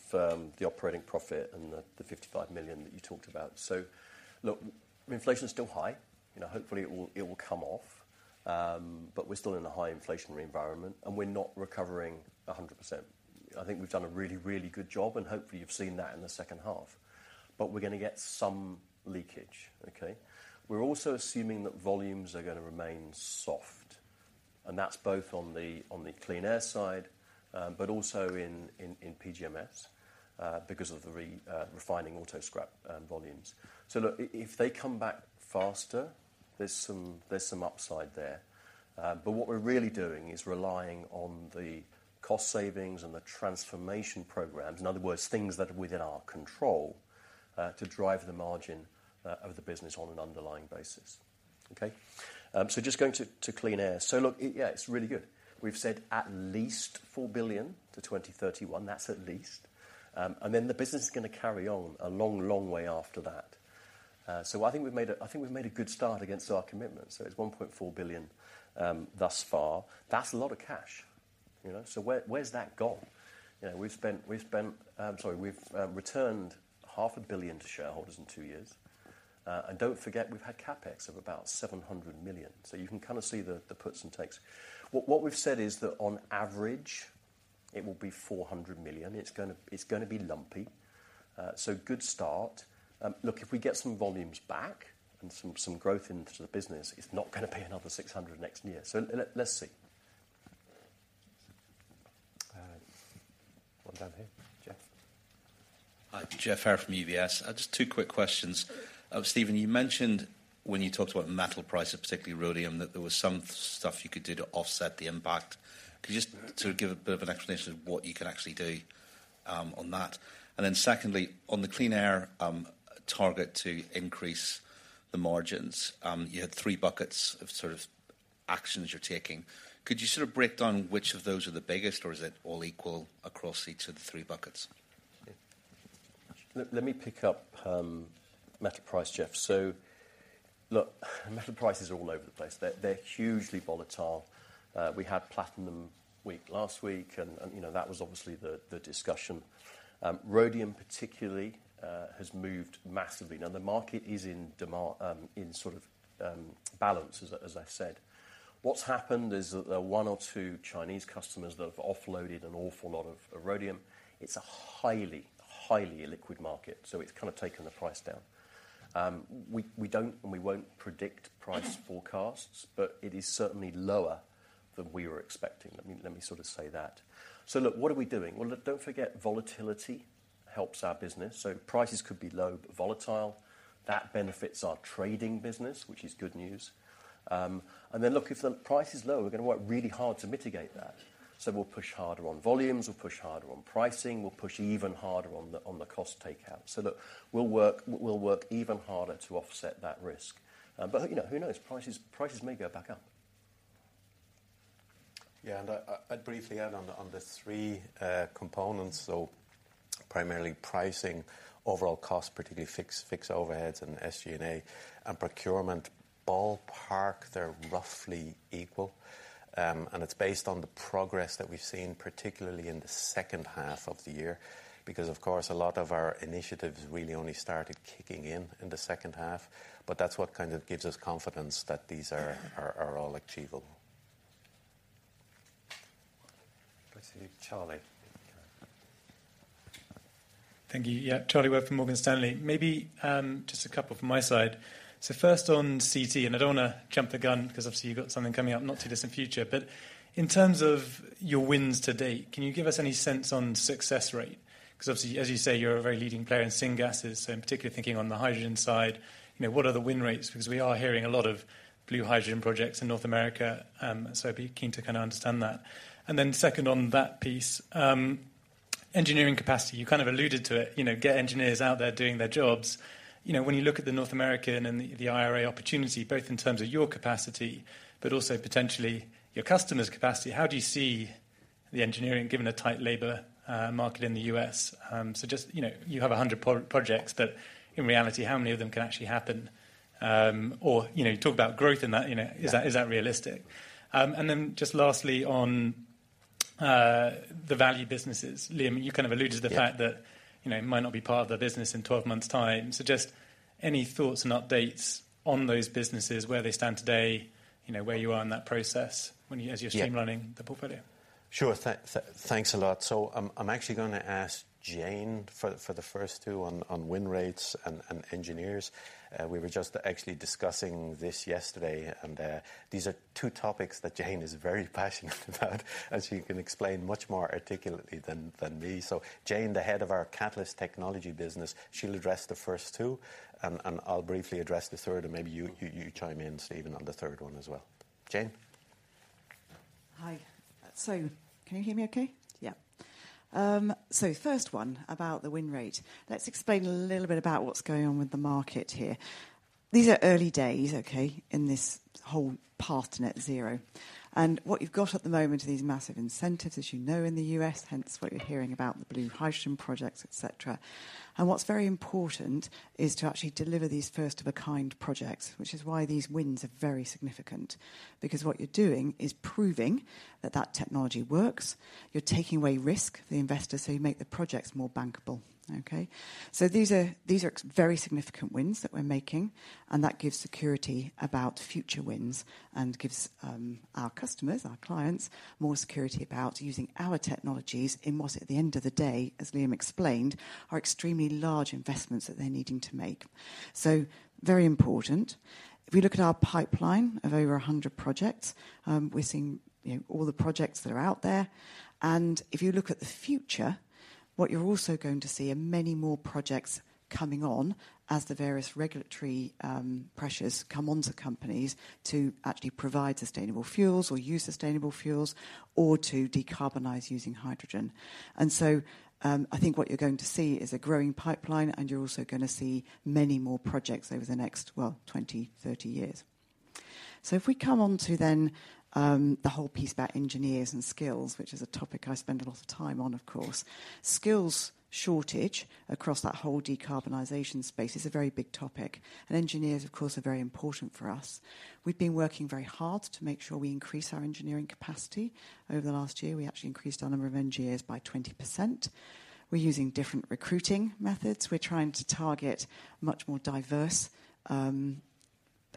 the operating profit and the 55 million that you talked about. Look, inflation is still high, you know. Hopefully, it will come off, but we're still in a high inflationary environment, and we're not recovering 100%. I think we've done a really good job, and hopefully, you've seen that in the second half. We're gonna get some leakage, okay? We're also assuming that volumes are gonna remain soft, and that's both on the Clean Air side, but also in PGMS, because of the refining auto scrap volumes. Look, if they come back faster, there's some upside there. What we're really doing is relying on the cost savings and the transformation programs, in other words, things that are within our control, to drive the margin of the business on an underlying basis. Okay? Just going to Clean Air. Look, it's really good. We've said at least 4 billion to 2031. That's at least. Then the business is going to carry on a long, long way after that. I think we've made a good start against our commitment. It's 1.4 billion thus far. That's a lot of cash, you know? Where's that gone? You know, we've returned half a billion to shareholders in two years. Don't forget, we've had CapEx of about 700 million. You can kinda see the puts and takes. What we've said is that on average, it will be 400 million. It's gonna be lumpy. So good start. Look, if we get some volumes back and some growth into the business, it's not gonna be another 600 million next year. Let's see. One down here. Geoff? Hi, Geoff Haire from UBS. Just two quick questions. Stephen, you mentioned when you talked about metal prices, particularly rhodium, that there was some stuff you could do to offset the impact. Could you just sort of give a bit of an explanation of what you can actually do on that? Secondly, on the Clean Air, target to increase the margins, you had three buckets of sort of actions you're taking. Could you sort of break down which of those are the biggest, or is it all equal across each of the three buckets? Yeah. Let me pick up metal price, Geoff. So look, metal prices are all over the place. They're hugely volatile. We had platinum week last week, and, you know, that was obviously the discussion. Rhodium, particularly, has moved massively. Now, the market is in demand, in sort of balance, as I said. What's happened is that there are one or two Chinese customers that have offloaded an awful lot of rhodium. It's a highly illiquid market, so it's kind of taken the price down. We don't and we won't predict price forecasts, but it is certainly lower than we were expecting. Let me sort of say that. So look, what are we doing? Well, look, don't forget, volatility helps our business, so prices could be low but volatile. That benefits our trading business, which is good news. Look, if the price is low, we're gonna work really hard to mitigate that. We'll push harder on volumes, we'll push harder on pricing, we'll push even harder on the cost takeout. Look, we'll work even harder to offset that risk. You know, who knows? Prices may go back up. I'd briefly add on the three components. Primarily pricing, overall cost, particularly fixed overheads and SG&A, and procurement. Ballpark, they're roughly equal. It's based on the progress that we've seen, particularly in the second half of the year. Of course, a lot of our initiatives really only started kicking in the second half. That's what kind of gives us confidence that these are all achievable. Let's see, Charlie. Thank you. Yeah, Charlie Webb from Morgan Stanley. Maybe, just a couple from my side. First on CT, and I don't wanna jump the gun, 'cause obviously you got something coming up not too distant future. In terms of your wins to date, can you give us any sense on success rate? 'Cause obviously, as you say, you're a very leading player in syngases, so I'm particularly thinking on the hydrogen side. You know, what are the win rates? Because we are hearing a lot of blue hydrogen projects in North America, so I'd be keen to kinda understand that. Then second on that piece. Engineering capacity, you kind of alluded to it, you know, get engineers out there doing their jobs. You know, when you look at the North American and the IRA opportunity, both in terms of your capacity, but also potentially your customers' capacity, how do you see the engineering given a tight labor market in the U.S.? Just, you know, you have 100 projects, but in reality, how many of them can actually happen? You know, you talk about growth in that, you know. Yeah. - is that, is that realistic? Just lastly, on the value businesses. Liam, you kind of alluded to the fact that- Yeah You know, it might not be part of the business in 12 months' time. Just any thoughts and updates on those businesses, where they stand today, you know, where you are in that process? Yeah streamlining the portfolio? Sure. Thanks a lot. I'm actually gonna ask Jane for the, for the first two on win rates and engineers. We were just actually discussing this yesterday, these are two topics that Jane is very passionate about, and she can explain much more articulately than me. Jane, the head of our Catalyst Technologies business, she'll address the first two, I'll briefly address the third, maybe you, you chime in, Stephen, on the third one as well. Jane? Hi. Can you hear me okay? Yeah. First one, about the win rate. Let's explain a little bit about what's going on with the market here. These are early days, okay, in this whole path net zero. What you've got at the moment are these massive incentives, as you know, in the U.S., hence what you're hearing about the blue hydrogen projects, et cetera. What's very important is to actually deliver these first-of-a-kind projects, which is why these wins are very significant. What you're doing is proving that that technology works. You're taking away risk, the investors, so you make the projects more bankable, okay? These are very significant wins that we're making, and that gives security about future wins and gives our customers, our clients, more security about using our technologies in what, at the end of the day, as Liam explained, are extremely large investments that they're needing to make. Very important. If we look at our pipeline of over 100 projects, we're seeing, you know, all the projects that are out there. If you look at the future, what you're also going to see are many more projects coming on as the various regulatory pressures come onto companies to actually provide sustainable fuels or use sustainable fuels, or to decarbonize using hydrogen. I think what you're going to see is a growing pipeline, and you're also gonna see many more projects over the next, well, 20-30 years. If we come on to the whole piece about engineers and skills, which is a topic I spend a lot of time on, of course. Skills shortage across that whole decarbonization space is a very big topic, and engineers, of course, are very important for us. We've been working very hard to make sure we increase our engineering capacity. Over the last year, we actually increased our number of engineers by 20%. We're using different recruiting methods. We're trying to target much more diverse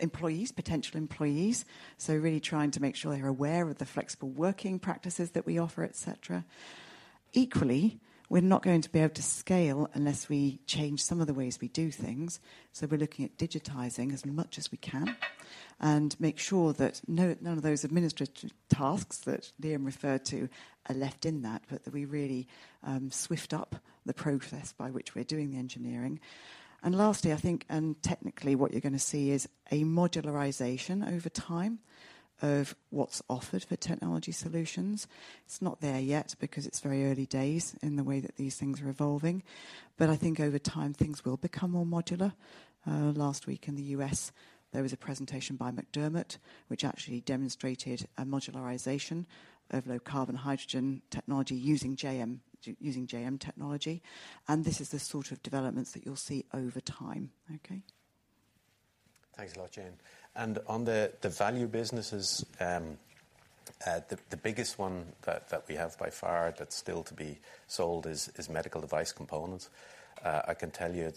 employees, potential employees. Really trying to make sure they're aware of the flexible working practices that we offer, et cetera. Equally, we're not going to be able to scale unless we change some of the ways we do things, so we're looking at digitizing as much as we can, and make sure that none of those administrative tasks that Liam referred to are left in that, but that we really swift up the process by which we're doing the engineering. Lastly, I think, technically, what you're gonna see is a modularization over time of what's offered for technology solutions. It's not there yet because it's very early days in the way that these things are evolving, but I think over time, things will become more modular. Last week in the U.S., there was a presentation by McDermott, which actually demonstrated a modularization of low carbon hydrogen technology using JM technology, and this is the sort of developments that you'll see over time. Okay? Thanks a lot, Jane. On the value businesses, the biggest one that we have by far that's still to be sold is medical device components. Stephen and Louise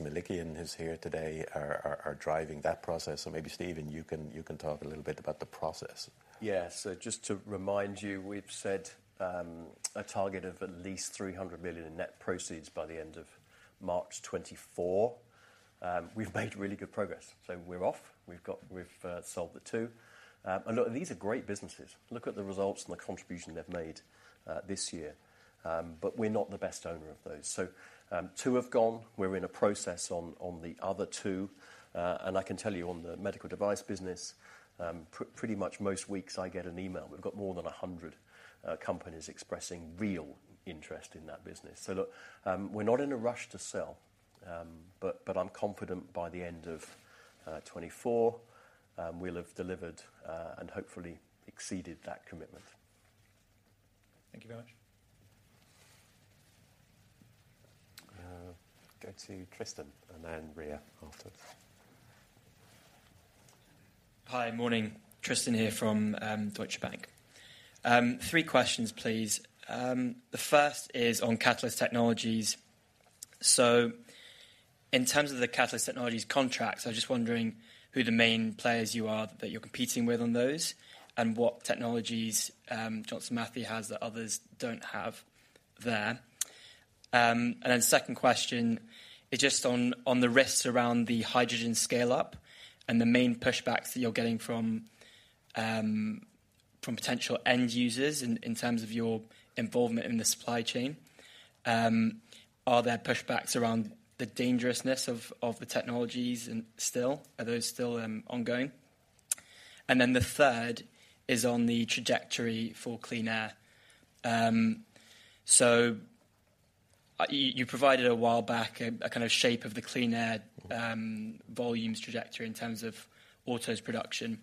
McLaren, who's here today, are driving that process. Maybe Stephen, you can talk a little bit about the process. Just to remind you, we've set a target of at least 300 million in net proceeds by the end of March 2024. We've made really good progress. We're off. We've sold the 2. Look, these are great businesses. Look at the results and the contribution they've made this year. But we're not the best owner of those. Two have gone. We're in a process on the other 2, and I can tell you on the medical device business, pretty much most weeks I get an email. We've got more than 100 companies expressing real interest in that business. Look, we're not in a rush to sell, but I'm confident by the end of 2024, we'll have delivered and hopefully exceeded that commitment. Thank you very much. Go to Tristan and then Ria after. Hi. Morning. Tristan here from Deutsche Bank. Three questions, please. The first is on Catalyst Technologies. In terms of the Catalyst Technologies contracts, I'm just wondering who the main players you are, that you're competing with on those, and what technologies Johnson Matthey has that others don't have there? Second question is just on the risks around the hydrogen scale-up and the main pushbacks that you're getting from potential end users in terms of your involvement in the supply chain, are there pushbacks around the dangerousness of the technologies and are those still ongoing? The third is on the trajectory for Clean Air. You provided a while back a kind of shape of the Clean Air volumes trajectory in terms of autos production.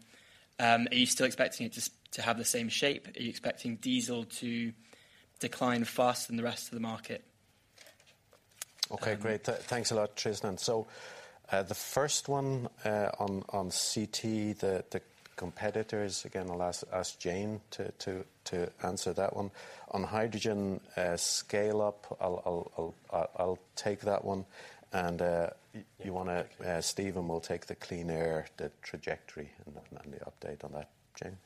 Are you still expecting it to have the same shape? Are you expecting diesel to decline faster than the rest of the market? Okay, great. Thanks a lot, Tristan. The first one on CT, the competitors, again, I'll ask Jane to answer that one. On hydrogen, scale up, I'll take that one. You wanna, Stephen will take the Clean Air, the trajectory and the update on that. Jane?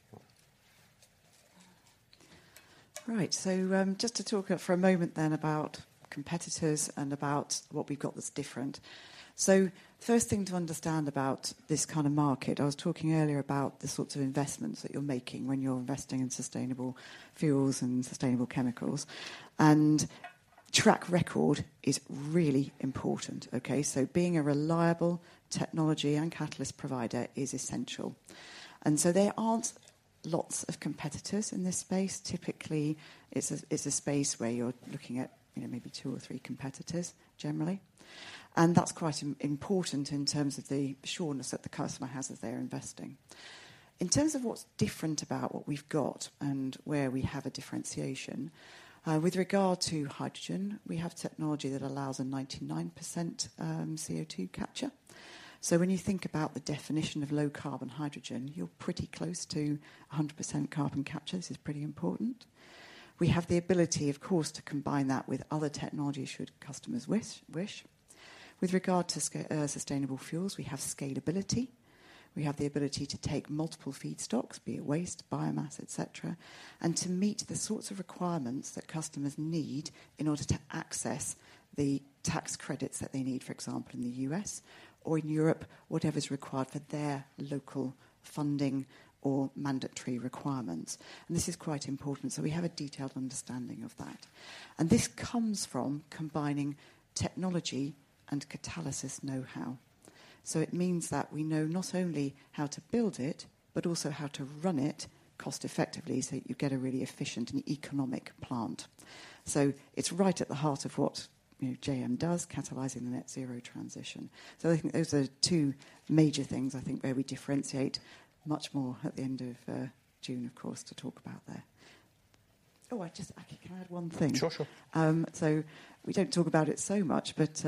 Just to talk for a moment then about competitors and about what we've got that's different. First thing to understand about this kind of market, I was talking earlier about the sorts of investments that you're making when you're investing in sustainable fuels and sustainable chemicals. Track record is really important, okay? Being a reliable technology and catalyst provider is essential. There aren't lots of competitors in this space. Typically, it's a, it's a space where you're looking at, you know, maybe two or three competitors, generally. That's quite important in terms of the sureness that the customer has as they're investing. In terms of what's different about what we've got and where we have a differentiation, with regard to hydrogen, we have technology that allows a 99% CO2 capture. When you think about the definition of low carbon hydrogen, you're pretty close to 100% carbon capture. This is pretty important. We have the ability, of course, to combine that with other technologies should customers wish. With regard to sustainable fuels, we have scalability. We have the ability to take multiple feedstocks, be it waste, biomass, et cetera, and to meet the sorts of requirements that customers need in order to access the tax credits that they need, for example, in the US or in Europe, whatever is required for their local funding or mandatory requirements. This is quite important, so we have a detailed understanding of that. This comes from combining technology and catalysis know-how. It means that we know not only how to build it, but also how to run it cost effectively, so you get a really efficient and economic plant. It's right at the heart of what, you know, JM does, catalyzing the net zero transition. I think those are two major things, I think, where we differentiate much more at the end of June, of course, to talk about there. Actually, can I add one thing? Sure, sure. so we don't talk about it so much, but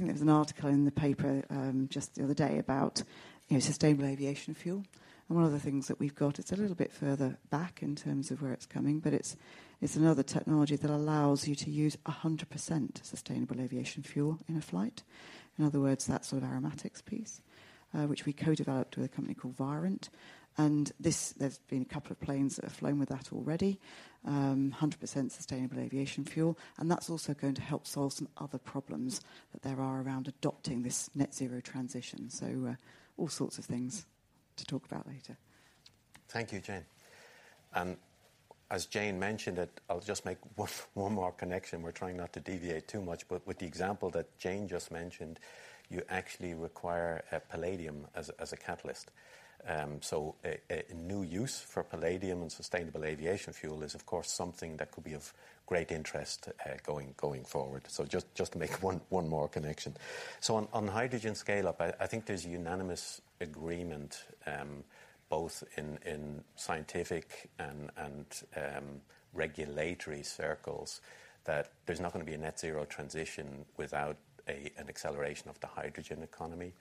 I think there was an article in the paper just the other day about, you know, sustainable aviation fuel. One of the things that we've got, it's a little bit further back in terms of where it's coming, but it's another technology that allows you to use 100% sustainable aviation fuel in a flight. In other words, that sort of aromatics piece, which we co-developed with a company called Virent. This, there's been a couple of planes that have flown with that already, 100% sustainable aviation fuel, and that's also going to help solve some other problems that there are around adopting this net zero transition. all sorts of things to talk about later. Thank you, Jane. As Jane mentioned, I'll just make one more connection. We're trying not to deviate too much, but with the example that Jane just mentioned, you actually require palladium as a catalyst. A new use for palladium and sustainable aviation fuel is, of course, something that could be of great interest going forward. Just to make one more connection. On hydrogen scale up, I think there's unanimous agreement both in scientific and regulatory circles, that there's not gonna be a net zero transition without an acceleration of the hydrogen economy.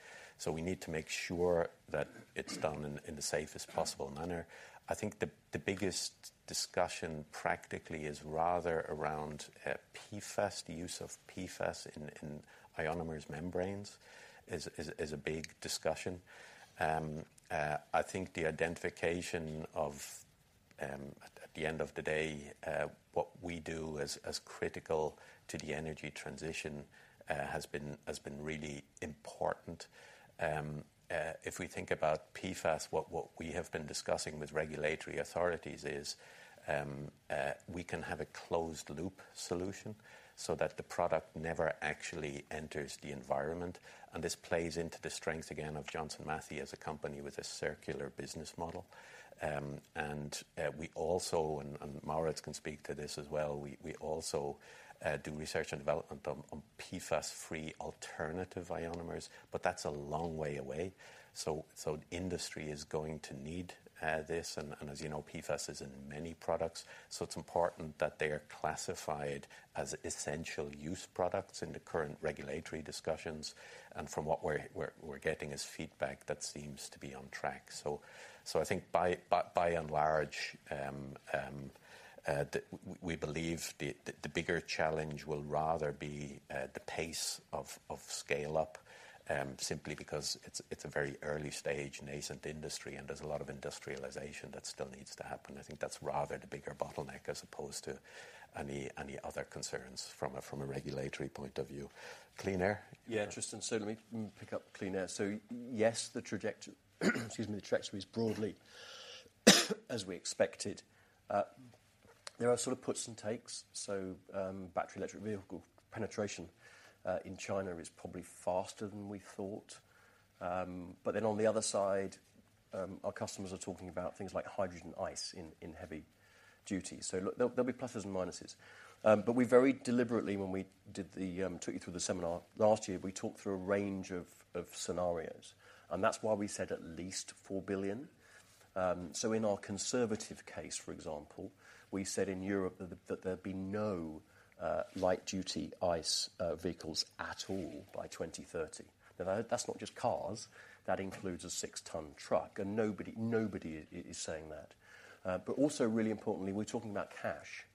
We need to make sure that it's done in the safest possible manner. I think the biggest discussion practically is rather around PFAS. The use of PFAS in ionomers membranes is a big discussion. I think the identification of at the end of the day, what we do as critical to the energy transition, has been really important. If we think about PFAS, what we have been discussing with regulatory authorities is, we can have a closed loop solution, so that the product never actually enters the environment. This plays into the strengths, again, of Johnson Matthey as a company with a circular business model. We also, and Maurits can speak to this as well, we also do research and development on PFAS-free alternative ionomers, but that's a long way away. Industry is going to need this and as you know, PFAS is in many products, so it's important that they are classified as essential use products in the current regulatory discussions. From what we're getting is feedback that seems to be on track. I think by and large, we believe the bigger challenge will rather be the pace of scale up, simply because it's a very early stage, nascent industry, and there's a lot of industrialization that still needs to happen. I think that's rather the bigger bottleneck, as opposed to any other concerns from a regulatory point of view. Clean Air? Tristan, let me pick up Clean Air. Yes, the trajectory is broadly, as we expected. There are sort of puts and takes. Battery electric vehicle penetration in China is probably faster than we thought. On the other side, our customers are talking about things like hydrogen ICE in heavy duty. Look, there'll be pluses and minuses. We very deliberately when we did the took you through the seminar last year, we talked through a range of scenarios, and that's why we said at least 4 billion. In our conservative case, for example, we said in Europe that there'd be no light-duty ICE vehicles at all by 2030. That's not just cars, that includes a 6-ton truck, and nobody is saying that. Also really importantly, we're talking about cash,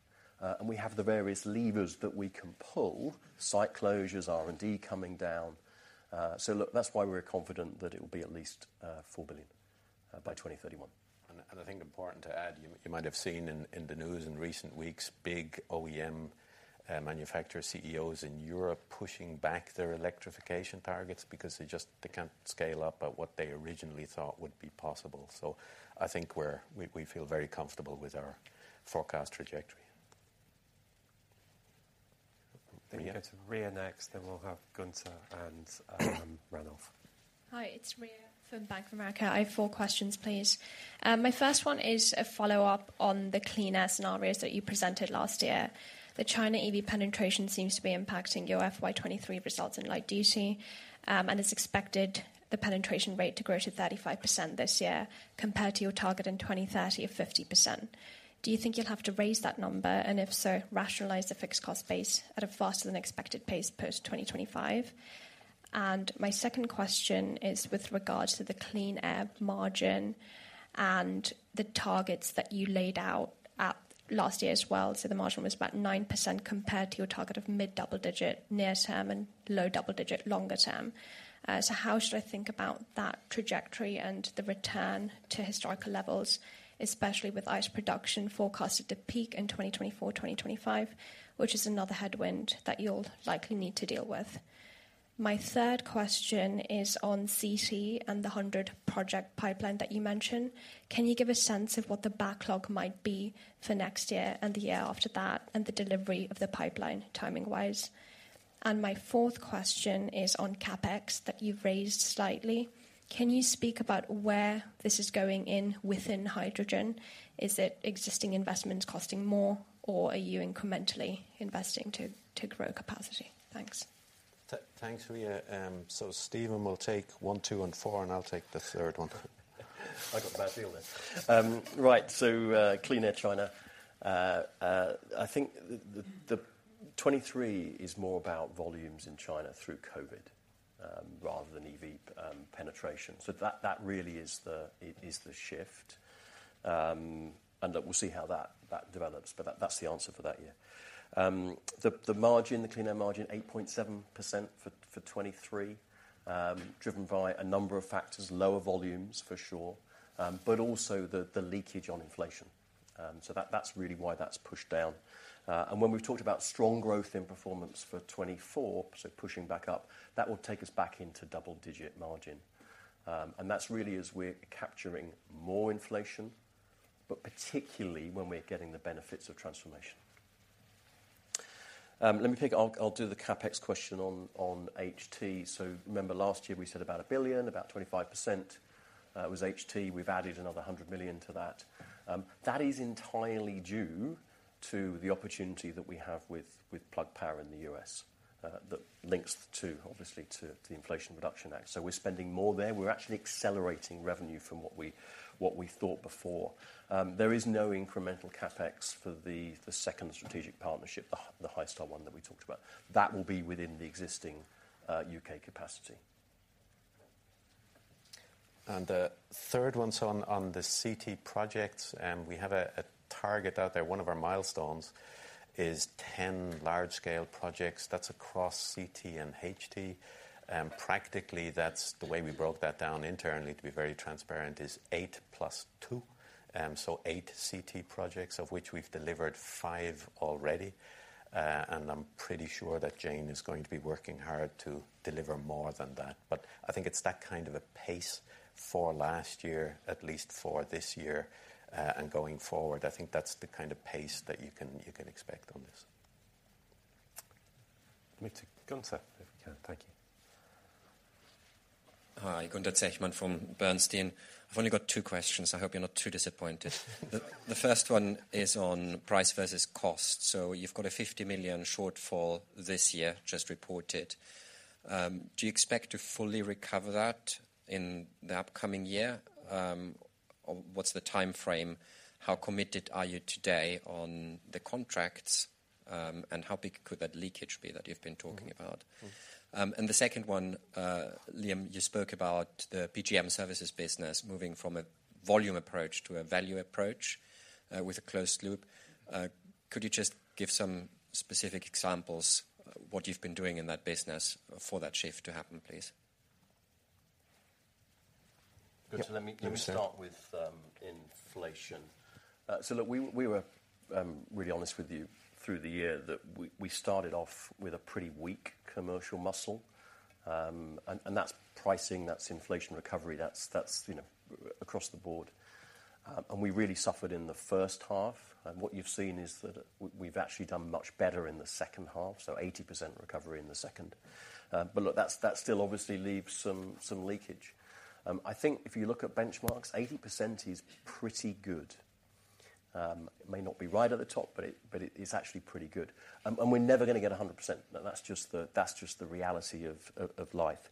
and we have the various levers that we can pull, site closures, R&D coming down. Look, that's why we're confident that it will be at least, 4 billion, by 2031. I think important to add, you might have seen in the news in recent weeks, big OEM manufacturer Chief Executive Offices in Europe pushing back their electrification targets because they can't scale up at what they originally thought would be possible. I think we feel very comfortable with our forecast trajectory. Ria? We'll go to Ria next, then we'll have Gunther and Ranulf. Hi, it's Ria from Bank of America. I have 4 questions, please. My first one is a follow-up on the Clean Air scenarios that you presented last year. The China EV penetration seems to be impacting your FY 2023 results in light duty, and it's expected the penetration rate to grow to 35% this year, compared to your target in 2030 of 50%. Do you think you'll have to raise that number? If so, rationalize the fixed cost base at a faster than expected pace post-2025. My second question is with regards to the Clean Air margin and the targets that you laid out last year as well. The margin was about 9% compared to your target of mid-double digit near term and low double digit longer term. How should I think about that trajectory and the return to historical levels, especially with ICE production forecasted to peak in 2024, 2025, which is another headwind that you'll likely need to deal with? My third question is on CT and the 100 project pipeline that you mentioned. Can you give a sense of what the backlog might be for next year and the year after that, and the delivery of the pipeline timing-wise? My fourth question is on CapEx that you've raised slightly. Can you speak about where this is going in within Hydrogen? Is it existing investments costing more, or are you incrementally investing to grow capacity? Thanks. Thanks, Ria. Stephen will take one, two, and four, and I'll take the third one. I got the bad deal then. Right, Clean Air China. I think the 2023 is more about volumes in China through COVID, rather than EV penetration. That, that really is the, it is the shift. Look, we'll see how that develops, but that's the answer for that year. The margin, the Clean Air margin, 8.7% for 2023, driven by a number of factors, lower volumes, for sure, but also the leakage on inflation. That, that's really why that's pushed down. When we've talked about strong growth in performance for 2024, so pushing back up, that will take us back into double-digit margin. That's really as we're capturing more inflation, but particularly when we're getting the benefits of transformation. Let me take. I'll do the CapEx question on HT. Remember last year we said about 1 billion, about 25%, was HT. We've added another 100 million to that. That is entirely due to the opportunity that we have with Plug Power in the U.S., that links to obviously to the Inflation Reduction Act. We're spending more there. We're actually accelerating revenue from what we thought before. There is no incremental CapEx for the second strategic partnership, the Hystar one that we talked about. That will be within the existing U.K. capacity. The third one's on the CT projects. We have a target out there. One of our milestones is 10 large-scale projects. That's across CT and HT. Practically, that's the way we broke that down internally, to be very transparent, is 8 plus 2. 8 CT projects, of which we've delivered 5 already. I'm pretty sure that Jane is going to be working hard to deliver more than that. I think it's that kind of a pace for last year, at least for this year, and going forward. I think that's the kind of pace that you can expect on this. Move to Gunther, if we can. Thank you. Hi, Gunther Zechmann from Bernstein. I've only got two questions. I hope you're not too disappointed. The first one is on price versus cost. You've got a 50 million shortfall this year, just reported. Do you expect to fully recover that in the upcoming year? What's the timeframe? How committed are you today on the contracts, and how big could that leakage be that you've been talking about? The second one, Liam, you spoke about the PGM Services business moving from a volume approach to a value approach, with a closed loop. Could you just give some specific examples, what you've been doing in that business for that shift to happen, please? Gunther, Yeah. Let me start with inflation. Look, we were really honest with you through the year, that we started off with a pretty weak commercial muscle. That's pricing, that's inflation recovery, that's, you know, across the board. We really suffered in the first half. What you've seen is that we've actually done much better in the second half, so 80% recovery in the second. Look, that's, that still obviously leaves some leakage. I think if you look at benchmarks, 80% is pretty good. It may not be right at the top, but it is actually pretty good. We're never gonna get 100%, but that's just the reality of life.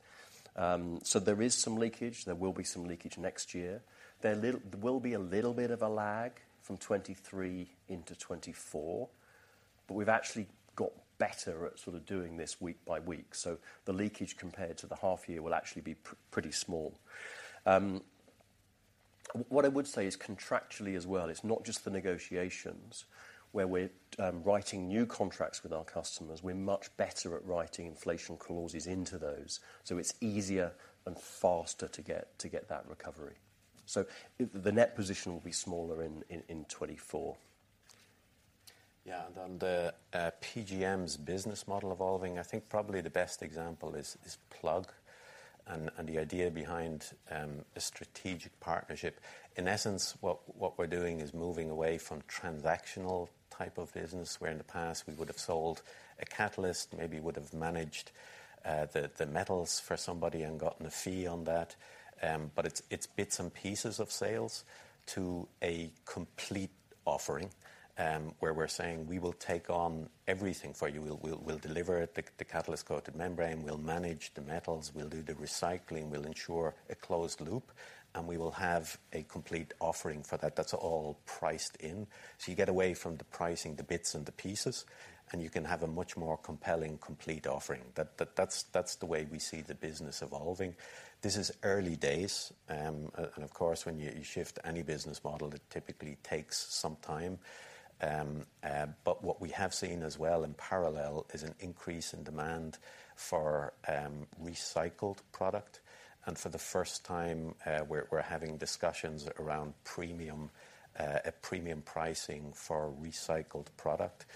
There is some leakage. There will be some leakage next year. There will be a little bit of a lag from 2023 into 2024, but we've actually got better at sort of doing this week by week. The leakage compared to the half year will actually be pretty small. What I would say is contractually as well, it's not just the negotiations where we're writing new contracts with our customers. We're much better at writing inflation clauses into those, so it's easier and faster to get that recovery. The net position will be smaller in 2024. On the PGMs business model evolving, I think probably the best example is Plug, and the idea behind a strategic partnership. In essence, what we're doing is moving away from transactional type of business, where in the past we would've sold a catalyst, maybe would've managed the metals for somebody and gotten a fee on that. It's bits and pieces of sales to a complete offering, where we're saying, "We will take on everything for you. We'll deliver it, the catalyst-coated membrane. We'll manage the metals. We'll do the recycling. We'll ensure a closed loop, and we will have a complete offering for that." That's all priced in, so you get away from the pricing, the bits and the pieces, and you can have a much more compelling, complete offering. That's the way we see the business evolving. This is early days. Of course, when you shift any business model, it typically takes some time. What we have seen as well in parallel is an increase in demand for recycled product. For the first time, we're having discussions around premium, a premium pricing for recycled product.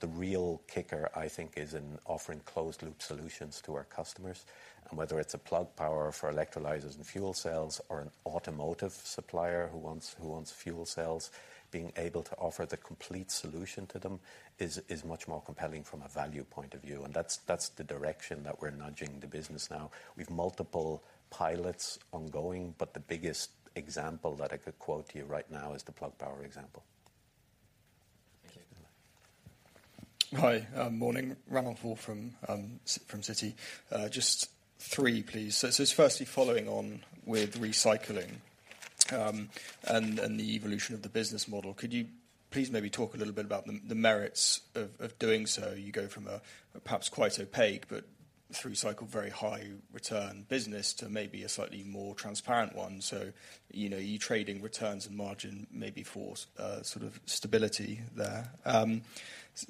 The real kicker, I think, is in offering closed loop solutions to our customers. Whether it's a Plug Power for Electrolyzers and fuel cells, or an automotive supplier who wants fuel cells, being able to offer the complete solution to them is much more compelling from a value point of view, and that's the direction that we're nudging the business now. We've multiple pilots ongoing, but the biggest example that I could quote to you right now is the Plug Power example. Thank you. Hi, morning. Ranulf Orr from Citi. Just three, please. Firstly, following on with recycling and the evolution of the business model, could you please maybe talk a little bit about the merits of doing so? You go from a perhaps quite opaque, but through cycle, very high return business to maybe a slightly more transparent one. You know, you're trading returns and margin maybe for sort of stability there.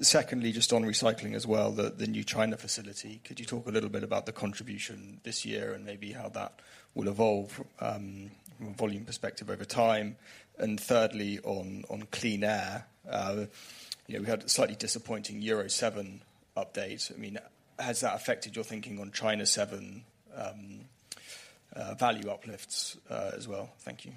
Secondly, just on recycling as well, the new China facility, could you talk a little bit about the contribution this year and maybe how that will evolve from a volume perspective over time? Thirdly, on Clean Air, you know, we had a slightly disappointing Euro 7 update. I mean, has that affected your thinking on China 7, value uplifts, as well? Thank you.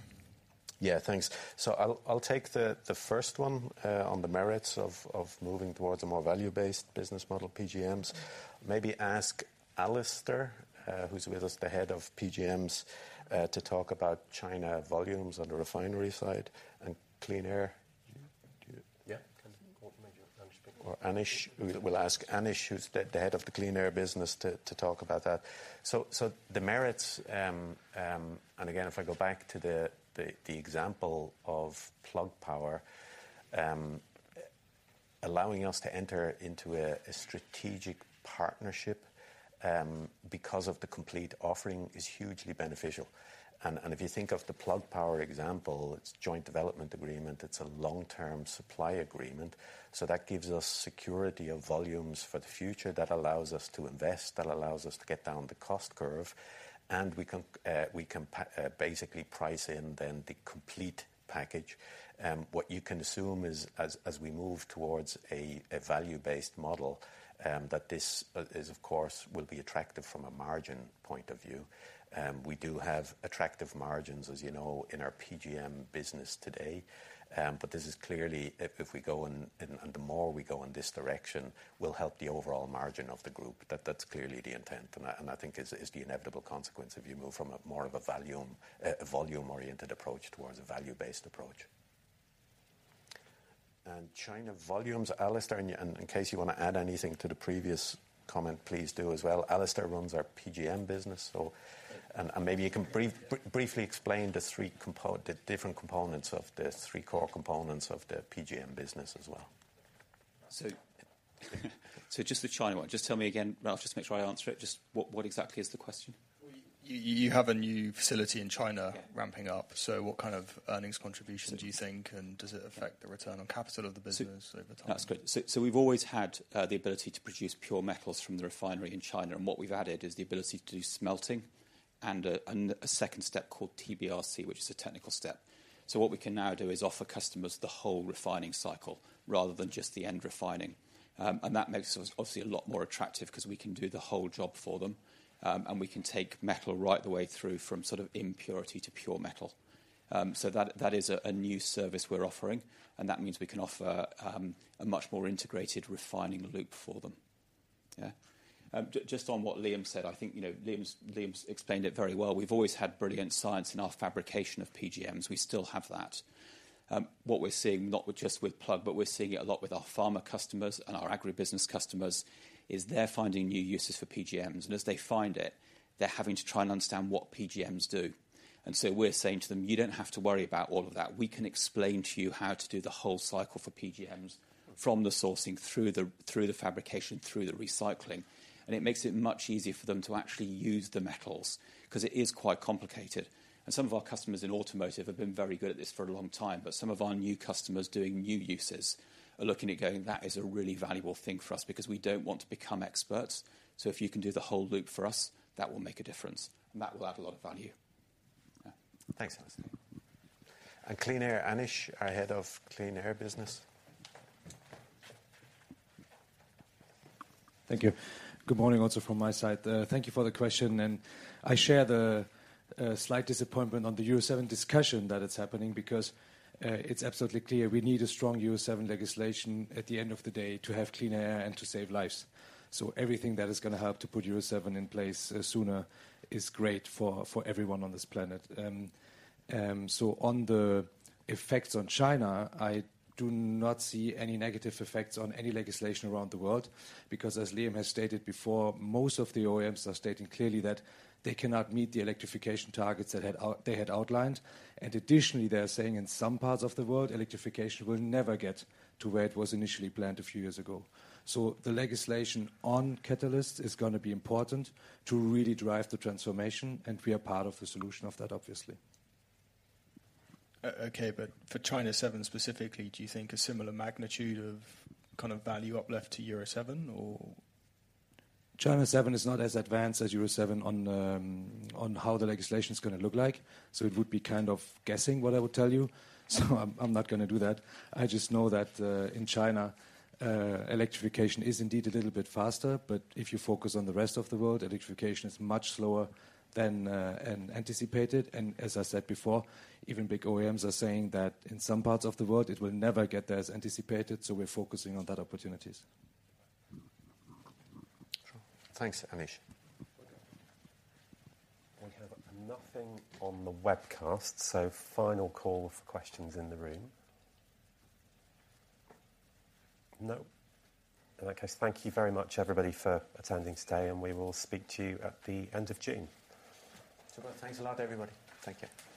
Yeah, thanks. I'll take the first one on the merits of moving towards a more value-based business model, PGMs. Maybe ask Alistair, who's with us, the head of PGMs, to talk about China volumes on the refinery side, and Clean Air- Yeah. Yeah. Can you make Anish speak? Anish. We'll ask Anish, who's the head of the Clean Air business, to talk about that. So the merits. Again, if I go back to the example of Plug Power, allowing us to enter into a strategic partnership, because of the complete offering, is hugely beneficial. If you think of the Plug Power example, its joint development agreement, it's a long-term supply agreement, that gives us security of volumes for the future. That allows us to invest, that allows us to get down the cost curve, and we can basically price in then the complete package. What you can assume is, as we move towards a value-based model, that this is of course will be attractive from a margin point of view. We do have attractive margins, as you know, in our PGM business today. This is clearly, if we go in, and the more we go in this direction, will help the overall margin of the group. That's clearly the intent, and I think is the inevitable consequence if you move from a more of a volume-oriented approach towards a value-based approach. China volumes, Alistair, and in case you wanna add anything to the previous comment, please do as well. Alistair runs our PGM business, so. Maybe you can briefly explain the different components of the three core components of the PGM business as well. Just the China one. Just tell me again, Ranulf, just to make sure I answer it. Just what exactly is the question? You have a new facility in China ramping up, so what kind of earnings contribution do you think, and does it affect the return on capital of the business over time? That's great. We've always had the ability to produce pure metals from the refinery in China, and what we've added is the ability to do smelting and a second step called TBRC, which is a technical step. What we can now do is offer customers the whole refining cycle, rather than just the end refining. That makes us obviously a lot more attractive, 'cause we can do the whole job for them. We can take metal right the way through, from sort of impurity to pure metal. That is a new service we're offering, and that means we can offer a much more integrated refining loop for them. Yeah. Just on what Liam said, I think, you know, Liam's explained it very well. We've always had brilliant science in our fabrication of PGMs. We still have that. What we're seeing, not with just with Plug, but we're seeing it a lot with our pharma customers and our agribusiness customers, is they're finding new uses for PGMs, and as they find it, they're having to try and understand what PGMs do. We're saying to them, "You don't have to worry about all of that. We can explain to you how to do the whole cycle for PGMs, from the sourcing, through the, through the fabrication, through the recycling." It makes it much easier for them to actually use the metals, 'cause it is quite complicated. Some of our customers in automotive have been very good at this for a long time, but some of our new customers doing new uses are looking at going, "That is a really valuable thing for us, because we don't want to become experts, so if you can do the whole loop for us, that will make a difference." That will add a lot of value. Yeah. Thanks. Clean Air, Anish, our Head of Clean Air Business. Thank you. Good morning also from my side. Thank you for the question, and I share the slight disappointment on the Euro 7 discussion that it's happening, because it's absolutely clear we need a strong Euro 7 legislation at the end of the day, to have clean air and to save lives. Everything that is gonna help to put Euro 7 in place sooner is great for everyone on this planet. On the effects on China, I do not see any negative effects on any legislation around the world, because as Liam has stated before, most of the OEMs are stating clearly that they cannot meet the electrification targets that they had outlined. Additionally, they're saying in some parts of the world, electrification will never get to where it was initially planned a few years ago. The legislation on catalysts is gonna be important to really drive the transformation, and we are part of the solution of that, obviously. Okay, for China 7 specifically, do you think a similar magnitude of kind of value up left to Euro 7 or? China 7 is not as advanced as Euro 7 on how the legislation is gonna look like, It would be kind of guessing what I would tell you. I'm not gonna do that. I just know that, in China, electrification is indeed a little bit faster, but if you focus on the rest of the world, electrification is much slower than anticipated. As I said before, even big OEMs are saying that in some parts of the world, it will never get there as anticipated, We're focusing on that opportunities. Sure. Thanks, Anish. We have nothing on the webcast, so final call for questions in the room. No? In that case, thank you very much, everybody, for attending today, and we will speak to you at the end of June. Well, thanks a lot, everybody. Thank you. Thanks.